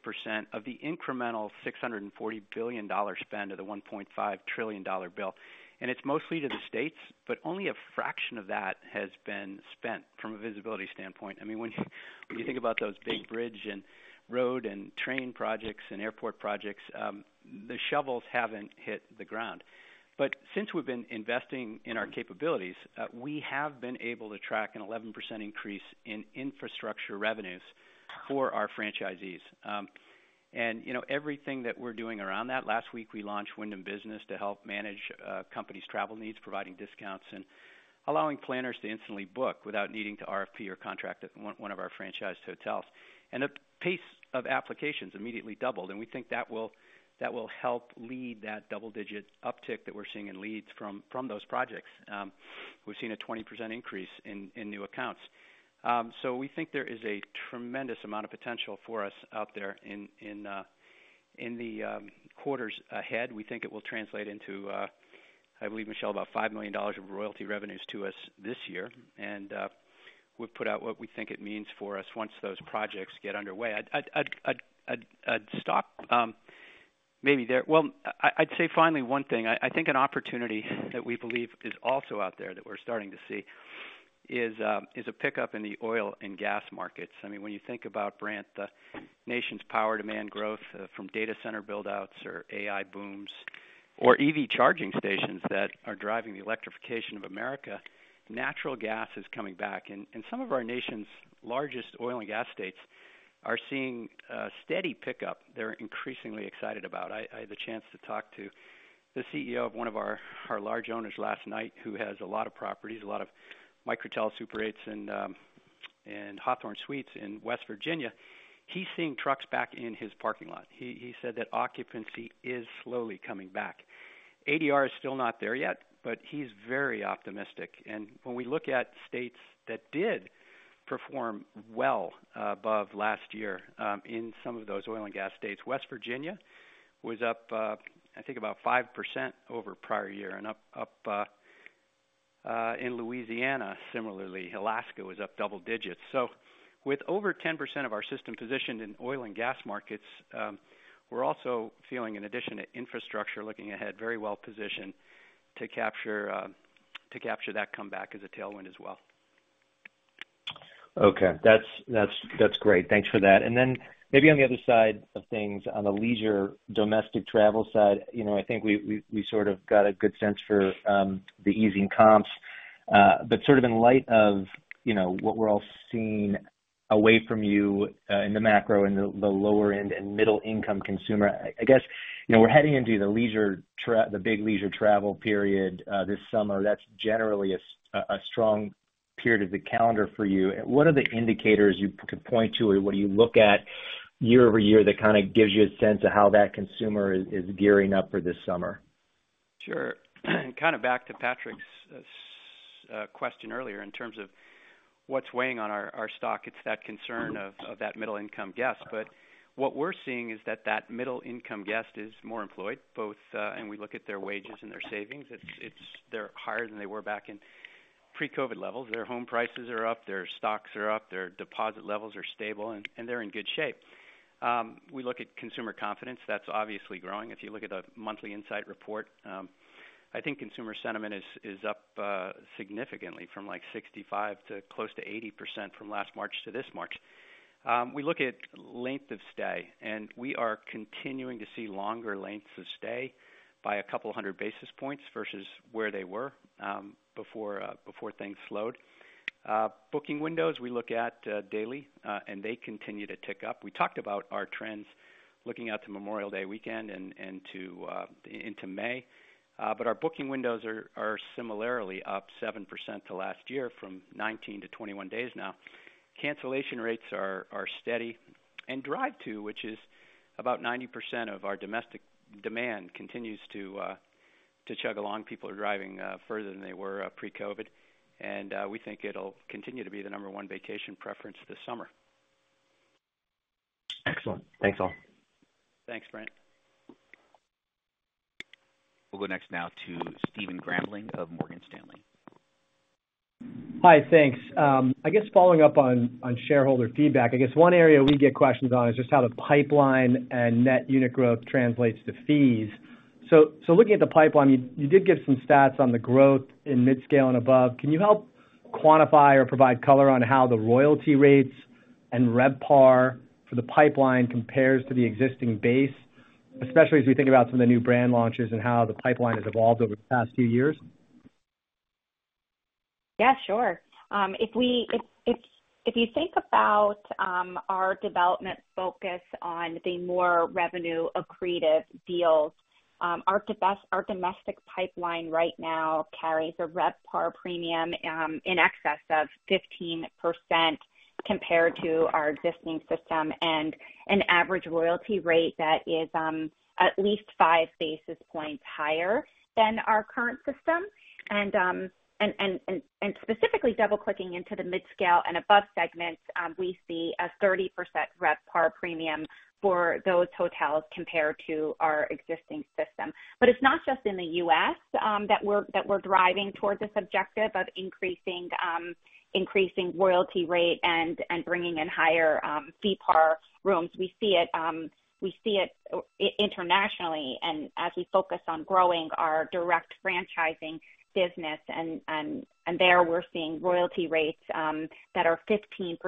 of the incremental $640 billion spend of the $1.5 trillion dollar bill. And it's mostly to the states, but only a fraction of that has been spent from a visibility standpoint. I mean, when you think about those big bridge and road and train projects and airport projects, the shovels haven't hit the ground. But since we've been investing in our capabilities, we have been able to track an 11% increase in infrastructure revenues for our franchisees. You know, everything that we're doing around that, last week, we launched Wyndham Business to help manage companies' travel needs, providing discounts and allowing planners to instantly book without needing to RFP or contract at one of our franchised hotels. The pace of applications immediately doubled, and we think that will help lead that double-digit uptick that we're seeing in leads from those projects. We've seen a 20% increase in new accounts. So we think there is a tremendous amount of potential for us out there in the quarters ahead. We think it will translate into, I believe, Michelle, about $5 million of royalty revenues to us this year. And we've put out what we think it means for us once those projects get underway. I'd stop, maybe there... Well, I'd say finally, one thing, I think an opportunity that we believe is also out there that we're starting to see is a pickup in the oil and gas markets. I mean, when you think about Brandt, the nation's power demand growth, from data center buildouts or AI booms or EV charging stations that are driving the electrification of America, natural gas is coming back, and some of our nation's largest oil and gas states are seeing a steady pickup they're increasingly excited about. I had the chance to talk to the CEO of one of our large owners last night, who has a lot of properties, a lot of Microtel Super 8s and Hawthorn Suites in West Virginia. He's seeing trucks back in his parking lot. He said that occupancy is slowly coming back. ADR is still not there yet, but he's very optimistic. And when we look at states that did perform well above last year, in some of those oil and gas states, West Virginia was up, I think about 5% over prior year, and up in Louisiana, similarly, Alaska was up double digits. So with over 10% of our system positioned in oil and gas markets, we're also feeling, in addition to infrastructure, looking ahead, very well positioned to capture that comeback as a tailwind as well. Okay. That's, that's, that's great. Thanks for that. And then maybe on the other side of things, on the leisure, domestic travel side, you know, I think we sort of got a good sense for the easing comps. But sort of in light of, you know, what we're all seeing-... away from you in the macro and the lower end and middle-income consumer. I guess, you know, we're heading into the leisure the big leisure travel period this summer. That's generally a strong period of the calendar for you. What are the indicators you could point to, or what do you look at year-over-year that kind of gives you a sense of how that consumer is gearing up for this summer? Sure. Kind of back to Patrick's question earlier, in terms of what's weighing on our stock, it's that concern of that middle-income guest. But what we're seeing is that that middle-income guest is more employed, both... And we look at their wages and their savings, it's-- they're higher than they were back in pre-COVID levels. Their home prices are up, their stocks are up, their deposit levels are stable, and they're in good shape. We look at consumer confidence. That's obviously growing. If you look at the Monthly Insight Report, I think consumer sentiment is up significantly from, like, 65 to close to 80% from last March to this March. We look at length of stay, and we are continuing to see longer lengths of stay by 200 basis points versus where they were before things slowed. Booking windows, we look at daily, and they continue to tick up. We talked about our trends looking out to Memorial Day weekend and into May, but our booking windows are similarly up 7% to last year, from 19-21 days now. Cancellation rates are steady, and drive-to, which is about 90% of our domestic demand, continues to chug along. People are driving further than they were pre-COVID, and we think it'll continue to be the number one vacation preference this summer. Excellent. Thanks, all. Thanks, Brent. We'll go next now to Stephen Grambling of Morgan Stanley. Hi, thanks. I guess following up on shareholder feedback, I guess one area we get questions on is just how the pipeline and net unit growth translates to fees. So looking at the pipeline, you did give some stats on the growth in mid-scale and above. Can you help quantify or provide color on how the royalty rates and RevPAR for the pipeline compares to the existing base, especially as we think about some of the new brand launches and how the pipeline has evolved over the past few years? Yeah, sure. If you think about our development focus on the more revenue-accretive deals, our domestic pipeline right now carries a RevPAR premium in excess of 15% compared to our existing system, and an average royalty rate that is at least five basis points higher than our current system. And specifically, double-clicking into the midscale and above segments, we see a 30% RevPAR premium for those hotels compared to our existing system. But it's not just in the U.S. that we're driving towards this objective of increasing royalty rate and bringing in higher fee PAR rooms. We see it internationally, and as we focus on growing our direct franchising business, and there, we're seeing royalty rates that are 15%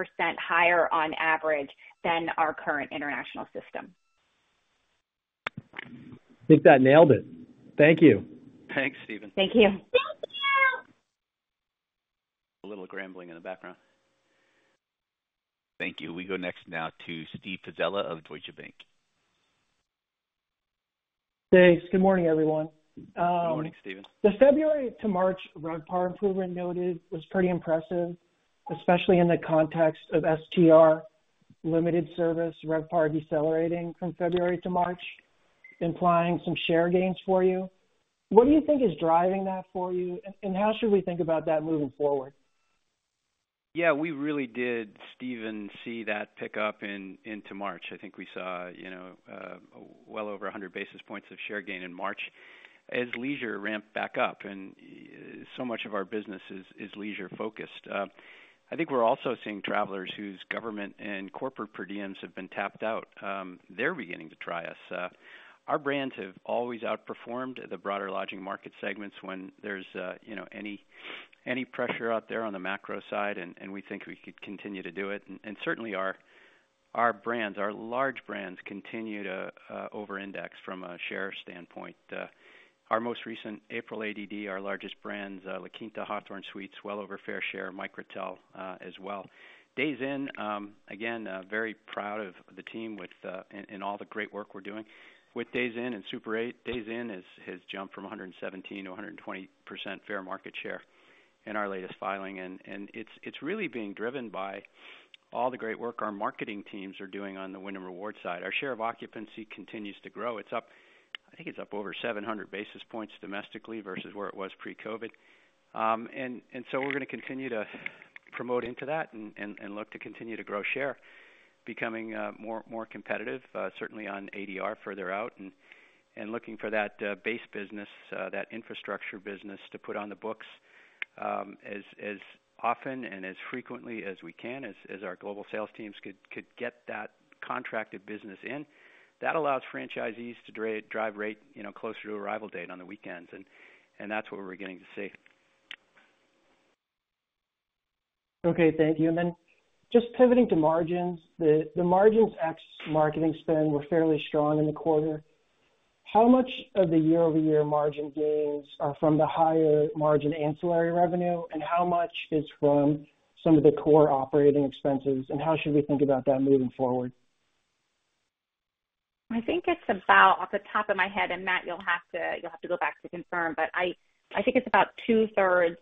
higher on average than our current international system. I think that nailed it. Thank you. Thanks, Stephen. Thank you. Thank you! A little Grambling in the background. Thank you. We go next now to Steven Pizzella of Deutsche Bank. Thanks. Good morning, everyone. Good morning, Steven. The February to March RevPAR improvement noted was pretty impressive, especially in the context of STR limited service RevPAR decelerating from February to March, implying some share gains for you. What do you think is driving that for you, and how should we think about that moving forward? Yeah, we really did, Steven, see that pick up into March. I think we saw, you know, well over 100 basis points of share gain in March as leisure ramped back up, and so much of our business is leisure-focused. I think we're also seeing travelers whose government and corporate per diems have been tapped out, they're beginning to try us. Our brands have always outperformed the broader lodging market segments when there's you know any pressure out there on the macro side, and we think we could continue to do it. And certainly, our brands, our large brands, continue to over-index from a share standpoint. Our most recent April ADR, our largest brands, La Quinta, Hawthorn Suites, well over fair share, Microtel, as well. Days Inn, again, very proud of the team and all the great work we're doing. With Days Inn and Super 8, Days Inn has jumped from 117% to 120% fair market share in our latest filing, and it's really being driven by all the great work our marketing teams are doing on the Wyndham Rewards side. Our share of occupancy continues to grow. It's up, I think it's up over 700 basis points domestically versus where it was pre-COVID. And so we're going to continue to promote into that and look to continue to grow share, becoming more competitive certainly on ADR further out, and looking for that base business, that infrastructure business, to put on the books as often and as frequently as we can, as our global sales teams could get that contracted business in. That allows franchisees to drive rate, you know, closer to arrival date on the weekends, and that's what we're beginning to see. Okay, thank you. And then, just pivoting to margins, the margins ex marketing spend were fairly strong in the quarter.... How much of the year-over-year margin gains are from the higher margin ancillary revenue, and how much is from some of the core operating expenses, and how should we think about that moving forward? I think it's about, off the top of my head, and Matt, you'll have to go back to confirm, but I think it's about 2/3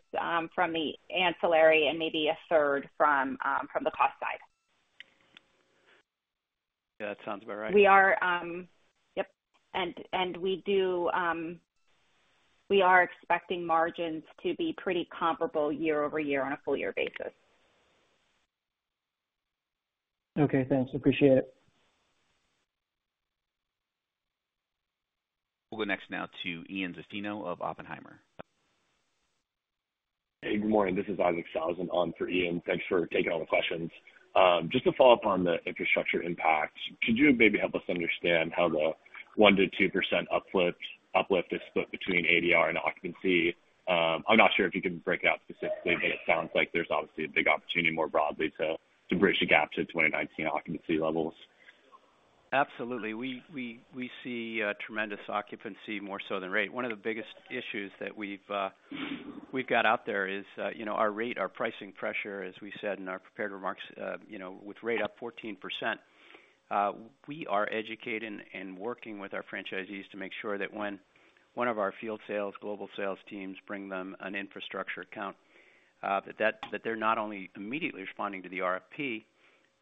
from the ancillary and maybe 1/3 from the cost side. Yeah, that sounds about right. We are expecting margins to be pretty comparable year-over-year on a full year basis. Okay, thanks. Appreciate it. We'll go next now to Ian Zaffino of Oppenheimer. Hey, good morning. This is Isaac Sellhausen on for Ian. Thanks for taking all the questions. Just to follow up on the infrastructure impact, could you maybe help us understand how the 1%-2% uplift, uplift is split between ADR and occupancy? I'm not sure if you can break it out specifically, but it sounds like there's obviously a big opportunity more broadly to, to bridge the gap to 2019 occupancy levels. Absolutely. We see tremendous occupancy, more so than rate. One of the biggest issues that we've got out there is, you know, our rate, our pricing pressure, as we said in our prepared remarks, you know, with rate up 14%, we are educating and working with our franchisees to make sure that when one of our field sales Global Sales Teams bring them an infrastructure account, that they're not only immediately responding to the RFP,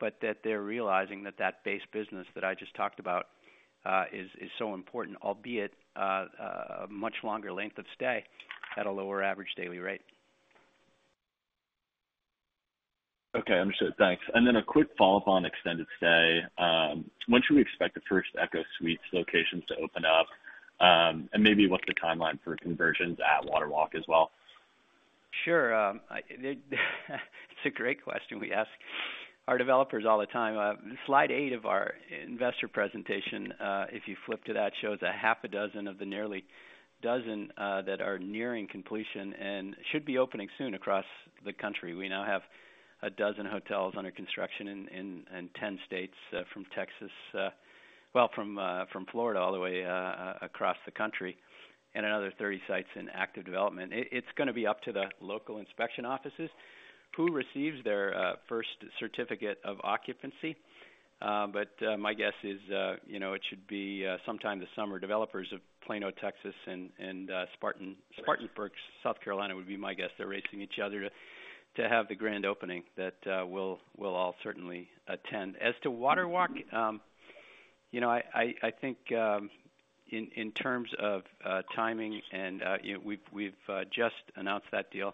but that they're realizing that that base business that I just talked about is so important, albeit a much longer length of stay at a lower average daily rate. Okay, understood. Thanks. And then a quick follow-up on extended stay. When should we expect the first ECHO Suites locations to open up? And maybe what's the timeline for conversions at WaterWalk as well? Sure, it's a great question we ask our developers all the time. Slide 8 of our investor presentation, if you flip to that, shows a half a dozen of the nearly dozen that are nearing completion and should be opening soon across the country. We now have a dozen hotels under construction in 10 states, from Florida all the way across the country, and another 30 sites in active development. It's gonna be up to the local inspection offices, who receives their first certificate of occupancy. But my guess is, you know, it should be sometime this summer. Developers of Plano, Texas, and Spartanburg, South Carolina, would be my guess. They're racing each other to have the grand opening that we'll all certainly attend. As to WaterWalk, you know, I think in terms of timing and you know, we've just announced that deal.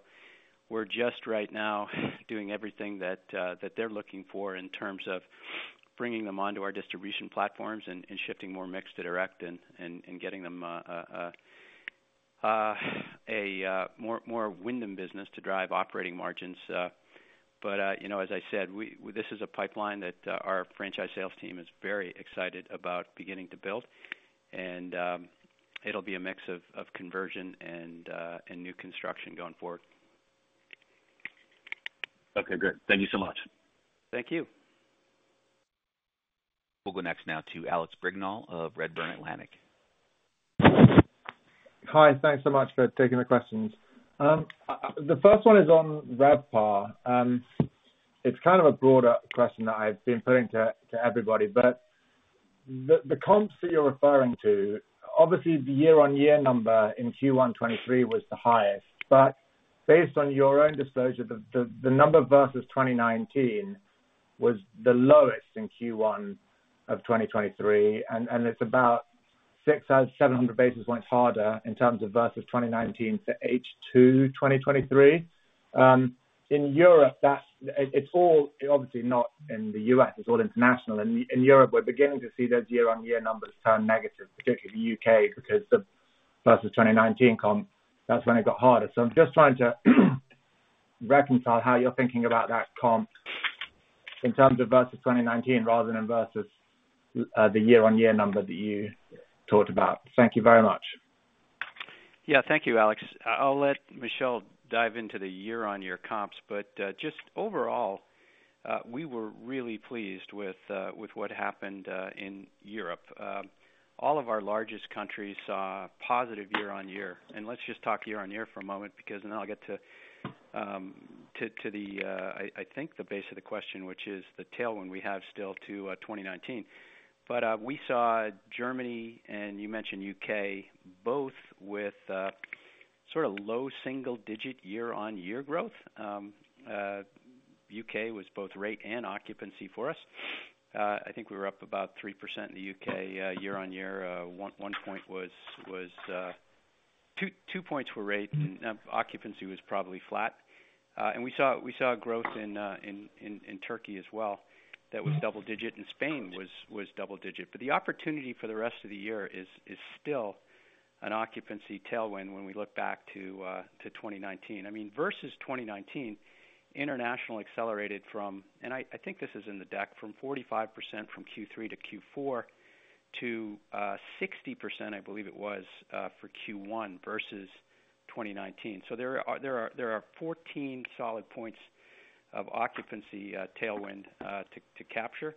We're just right now doing everything that they're looking for in terms of bringing them onto our distribution platforms and getting them more Wyndham business to drive operating margins. But you know, as I said, this is a pipeline that our franchise sales team is very excited about beginning to build, and it'll be a mix of conversion and new construction going forward. Okay, great. Thank you so much. Thank you. We'll go next now to Alex Brignall of Redburn Atlantic. Hi, thanks so much for taking the questions. The first one is on RevPAR. It's kind of a broader question that I've been putting to everybody, but the comps that you're referring to, obviously, the year-on-year number in Q1 2023 was the highest. But based on your own disclosure, the number versus 2019 was the lowest in Q1 of 2023, and it's about 600-700 basis points harder in terms of versus 2019 to H2 2023. In Europe, that's it, it's all obviously not in the U.S., it's all international. In Europe, we're beginning to see those year-on-year numbers turn negative, particularly U.K., because the versus 2019 comp, that's when it got harder. I'm just trying to reconcile how you're thinking about that comp in terms of versus 2019 rather than versus, the year-on-year number that you talked about. Thank you very much. Yeah, thank you, Alex. I'll let Michelle dive into the year-on-year comps, but just overall, we were really pleased with what happened in Europe. All of our largest countries saw a positive year-on-year, and let's just talk year-on-year for a moment, because then I'll get to the, I think the base of the question, which is the tailwind we have still to 2019. But we saw Germany and you mentioned U.K., both with sort of low single digit year-on-year growth. U.K. was both rate and occupancy for us. I think we were up about 3% in the U.K. year-on-year. One point was two points were rate, and occupancy was probably flat. And we saw growth in Turkey as well. That was double-digit, and Spain was double-digit. But the opportunity for the rest of the year is still an occupancy tailwind when we look back to 2019. I mean, versus 2019, international accelerated from 45% from Q3 to Q4 to 60%, I believe it was, for Q1 versus 2019. So there are 14 solid points of occupancy tailwind to capture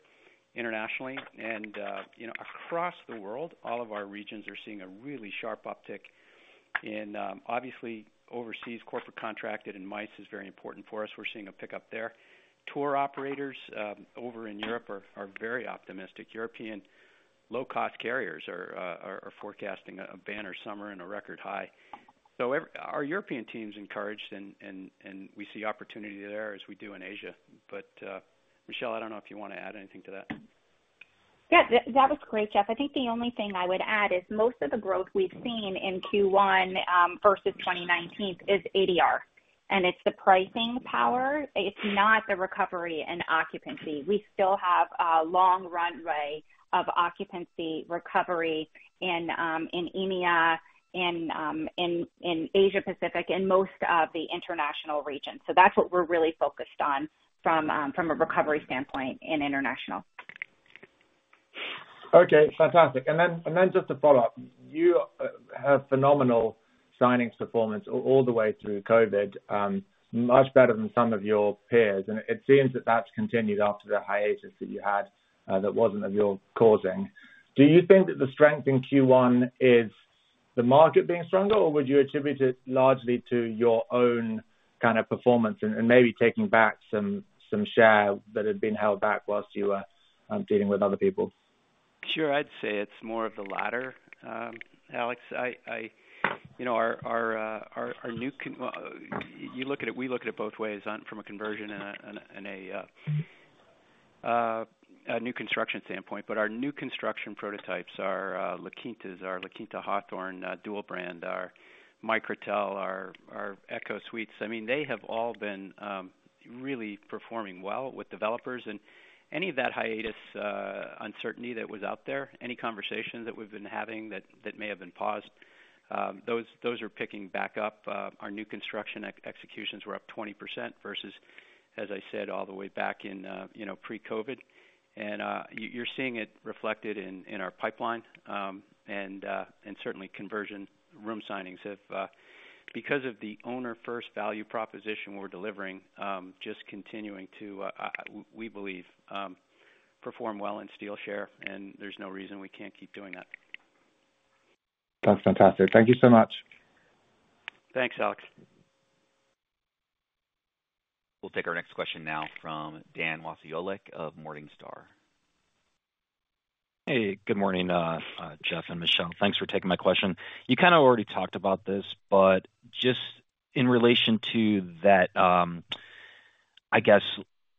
internationally. And you know, across the world, all of our regions are seeing a really sharp uptick in obviously overseas corporate contracted, and MICE is very important for us. We're seeing a pickup there. Tour operators over in Europe are very optimistic. European low-cost carriers are forecasting a banner summer and a record high. So our European team's encouraged and we see opportunity there as we do in Asia. But, Michelle, I don't know if you want to add anything to that? Yeah, that, that was great, Jeff. I think the only thing I would add is most of the growth we've seen in Q1, versus 2019 is ADR, and it's the pricing power, it's not the recovery and occupancy. We still have a long runway of occupancy recovery in, in EMEA, in, in Asia Pacific, and most of the international regions. So that's what we're really focused on from, from a recovery standpoint in international. Okay, fantastic. And then just to follow up, you have phenomenal signing performance all the way through COVID, much better than some of your peers, and it seems that that's continued after the hiatus that you had, that wasn't of your causing. Do you think that the strength in Q1 is the market being stronger, or would you attribute it largely to your own kind of performance and maybe taking back some share that had been held back whilst you were dealing with other people? Sure. I'd say it's more of the latter, Alex. I—you know, our new—Well, you look at it, we look at it both ways, from a conversion and a new construction standpoint. But our new construction prototypes, our La Quintas, our La Quinta Hawthorn dual brand, our Microtel, our ECHO Suites, I mean, they have all been really performing well with developers. And any of that hiatus uncertainty that was out there, any conversation that we've been having that may have been paused, those are picking back up. Our new construction executions were up 20% versus, as I said, all the way back in, you know, pre-COVID. And you're seeing it reflected in our pipeline, and certainly conversion room signings. Because of the owner-first value proposition we're delivering, just continuing to, we believe, perform well in steal share, and there's no reason we can't keep doing that. That's fantastic. Thank you so much. Thanks, Alex. We'll take our next question now from Dan Wasiolek of Morningstar. Hey, good morning, Jeff and Michelle. Thanks for taking my question. You kind of already talked about this, but just in relation to that, I guess,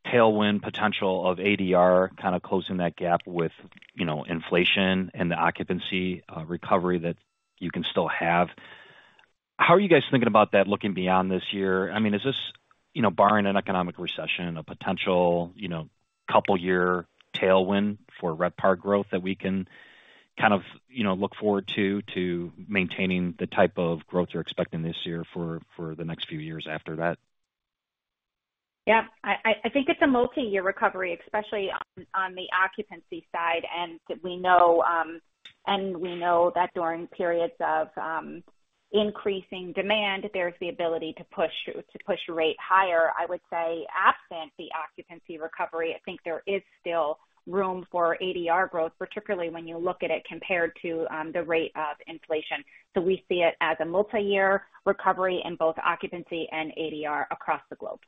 tailwind potential of ADR, kind of closing that gap with, you know, inflation and the occupancy recovery that you can still have. How are you guys thinking about that looking beyond this year? I mean, is this, you know, barring an economic recession, a potential, you know, couple year tailwind for RevPAR growth that we can kind of, you know, look forward to, to maintaining the type of growth you're expecting this year for, for the next few years after that? Yeah. I think it's a multi-year recovery, especially on the occupancy side. And we know that during periods of increasing demand, there's the ability to push rate higher. I would say absent the occupancy recovery, I think there is still room for ADR growth, particularly when you look at it compared to the rate of inflation. So we see it as a multi-year recovery in both occupancy and ADR across the globe.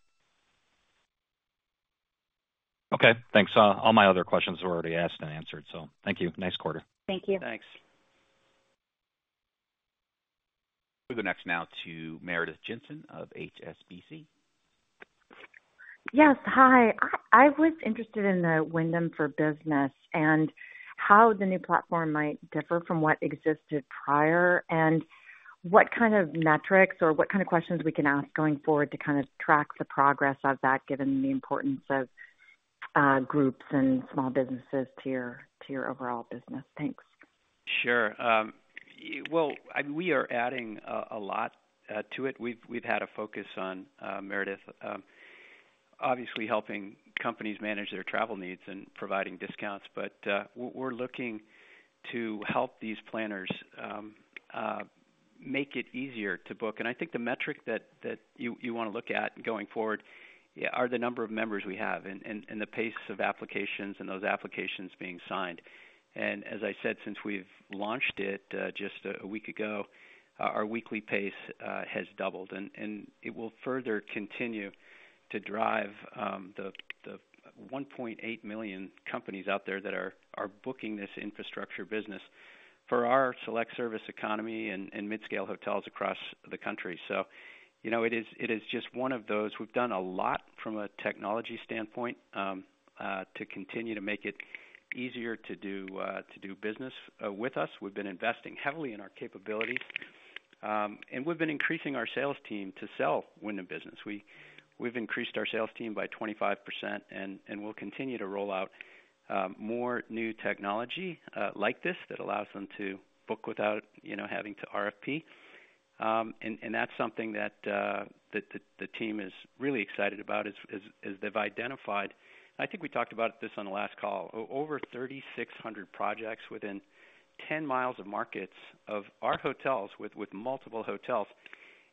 Okay, thanks. All my other questions were already asked and answered, so thank you. Nice quarter. Thank you. Thanks. We'll go next now to Meredith Jensen of HSBC. Yes, hi. I was interested in the Wyndham Business and how the new platform might differ from what existed prior, and what kind of metrics or what kind of questions we can ask going forward to kind of track the progress of that, given the importance of groups and small businesses to your overall business? Thanks. Sure. Well, we are adding a lot to it. We've had a focus on Meredith, obviously helping companies manage their travel needs and providing discounts. But we're looking to help these planners make it easier to book. And I think the metric that you want to look at going forward are the number of members we have and the pace of applications and those applications being signed. And as I said, since we've launched it just a week ago, our weekly pace has doubled, and it will further continue to drive the 1.8 million companies out there that are booking this infrastructure business for our select service economy and mid-scale hotels across the country. So you know, it is just one of those... We've done a lot from a technology standpoint, to continue to make it easier to do business with us. We've been investing heavily in our capabilities, and we've been increasing our sales team to sell Wyndham Business. We've increased our sales team by 25%, and we'll continue to roll out more new technology like this that allows them to book without, you know, having to RFP. And that's something that the team is really excited about, is they've identified. I think we talked about this on the last call. Over 3,600 projects within ten miles of markets of our hotels with multiple hotels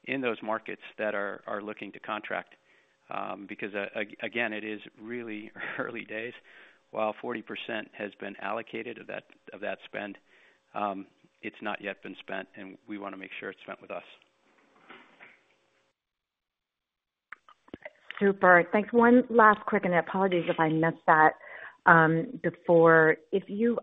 in those markets that are looking to contract, because again, it is really early days. While 40% has been allocated of that, of that spend, it's not yet been spent, and we want to make sure it's spent with us. Super. Thanks. One last quick, and I apologize if I missed that, before. If you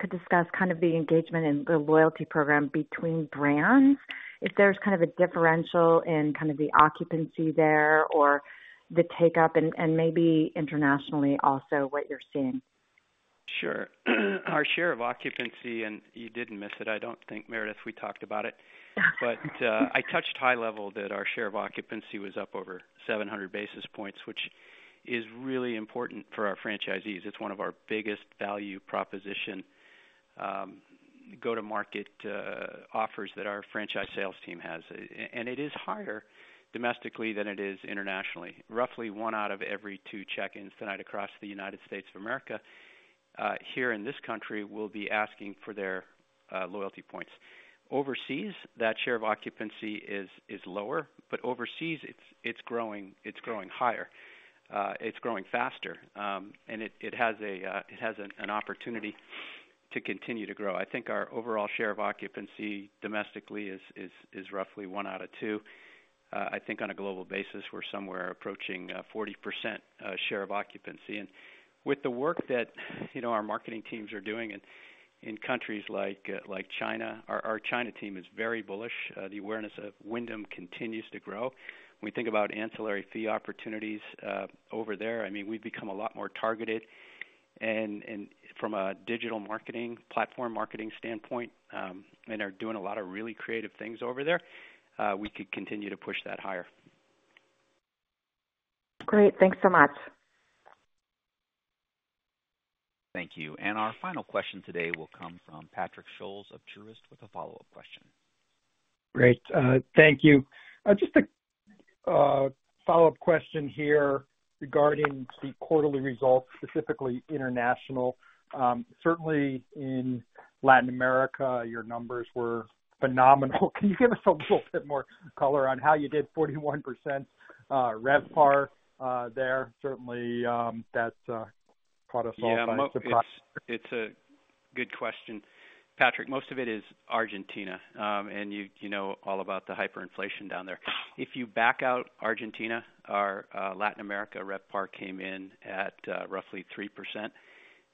could discuss kind of the engagement and the loyalty program between brands, if there's kind of a differential in kind of the occupancy there or the take-up, and, and maybe internationally also, what you're seeing. Sure. Our share of occupancy, and you didn't miss it, I don't think, Meredith, we talked about it. But I touched high level that our share of occupancy was up over 700 basis points, which is really important for our franchisees. It's one of our biggest value proposition, go-to-market offers that our franchise sales team has. And it is higher domestically than it is internationally. Roughly one out of every two check-ins tonight across the United States of America, here in this country, will be asking for their loyalty points. Overseas, that share of occupancy is lower, but overseas, it's growing higher. It's growing faster, and it has an opportunity to continue to grow. I think our overall share of occupancy domestically is roughly one out of two. I think on a global basis, we're somewhere approaching 40% share of occupancy. And with the work that, you know, our marketing teams are doing in countries like China, our China team is very bullish. The awareness of Wyndham continues to grow. When we think about ancillary fee opportunities over there, I mean, we've become a lot more targeted and from a digital marketing, platform marketing standpoint, and are doing a lot of really creative things over there, we could continue to push that higher. Great. Thanks so much. Thank you. And our final question today will come from Patrick Scholes of Truist, with a follow-up question. Great. Thank you. Just a follow-up question here regarding the quarterly results, specifically international. Certainly in Latin America, your numbers were phenomenal. Can you give us a little bit more color on how you did 41% RevPAR there? Certainly, that's caught us all by surprise. It's a good question, Patrick. Most of it is Argentina, and you, you know all about the hyperinflation down there. If you back out Argentina, our Latin America RevPAR came in at roughly 3%,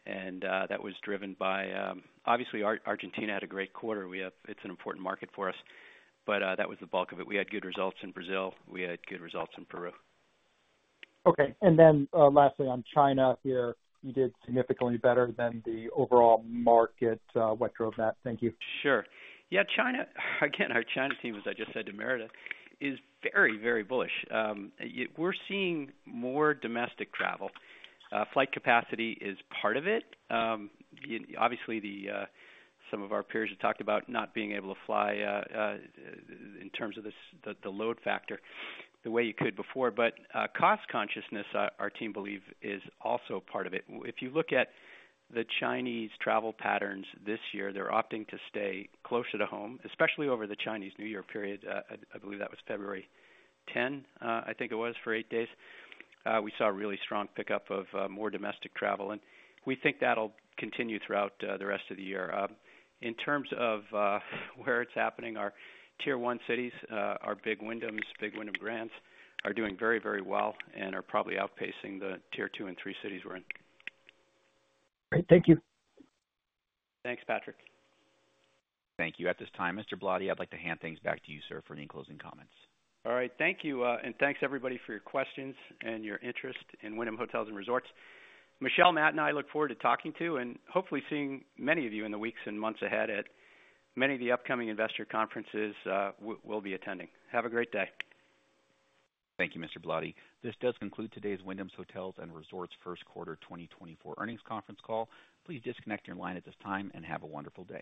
and that was driven by... Obviously, Argentina had a great quarter. We have. It's an important market for us, but that was the bulk of it. We had good results in Brazil. We had good results in Peru. Okay. And then, lastly, on China here, you did significantly better than the overall market. What drove that? Thank you. Sure. Yeah, China, again, our China team, as I just said to Meredith, is very, very bullish. We're seeing more domestic travel. Flight capacity is part of it. Obviously, some of our peers have talked about not being able to fly in terms of the load factor, the way you could before. But, cost consciousness, our team believe, is also part of it. If you look at the Chinese travel patterns this year, they're opting to stay closer to home, especially over the Chinese New Year period. I believe that was February ten, I think it was, for eight days. We saw a really strong pickup of more domestic travel, and we think that'll continue throughout the rest of the year. In terms of where it's happening, our Tier One cities, our big Wyndhams, big Wyndham brands, are doing very, very well and are probably outpacing the Tier Two and Three cities we're in. Great. Thank you. Thanks, Patrick. Thank you. At this time, Mr. Ballotti, I'd like to hand things back to you, sir, for any closing comments. All right. Thank you, and thanks, everybody, for your questions and your interest in Wyndham Hotels & Resorts. Michelle, Matt, and I look forward to talking to and hopefully seeing many of you in the weeks and months ahead at many of the upcoming investor conferences, we'll be attending. Have a great day. Thank you, Mr. Ballotti. This does conclude today's Wyndham Hotels & Resorts First Quarter 2024 Earnings Conference Call. Please disconnect your line at this time, and have a wonderful day.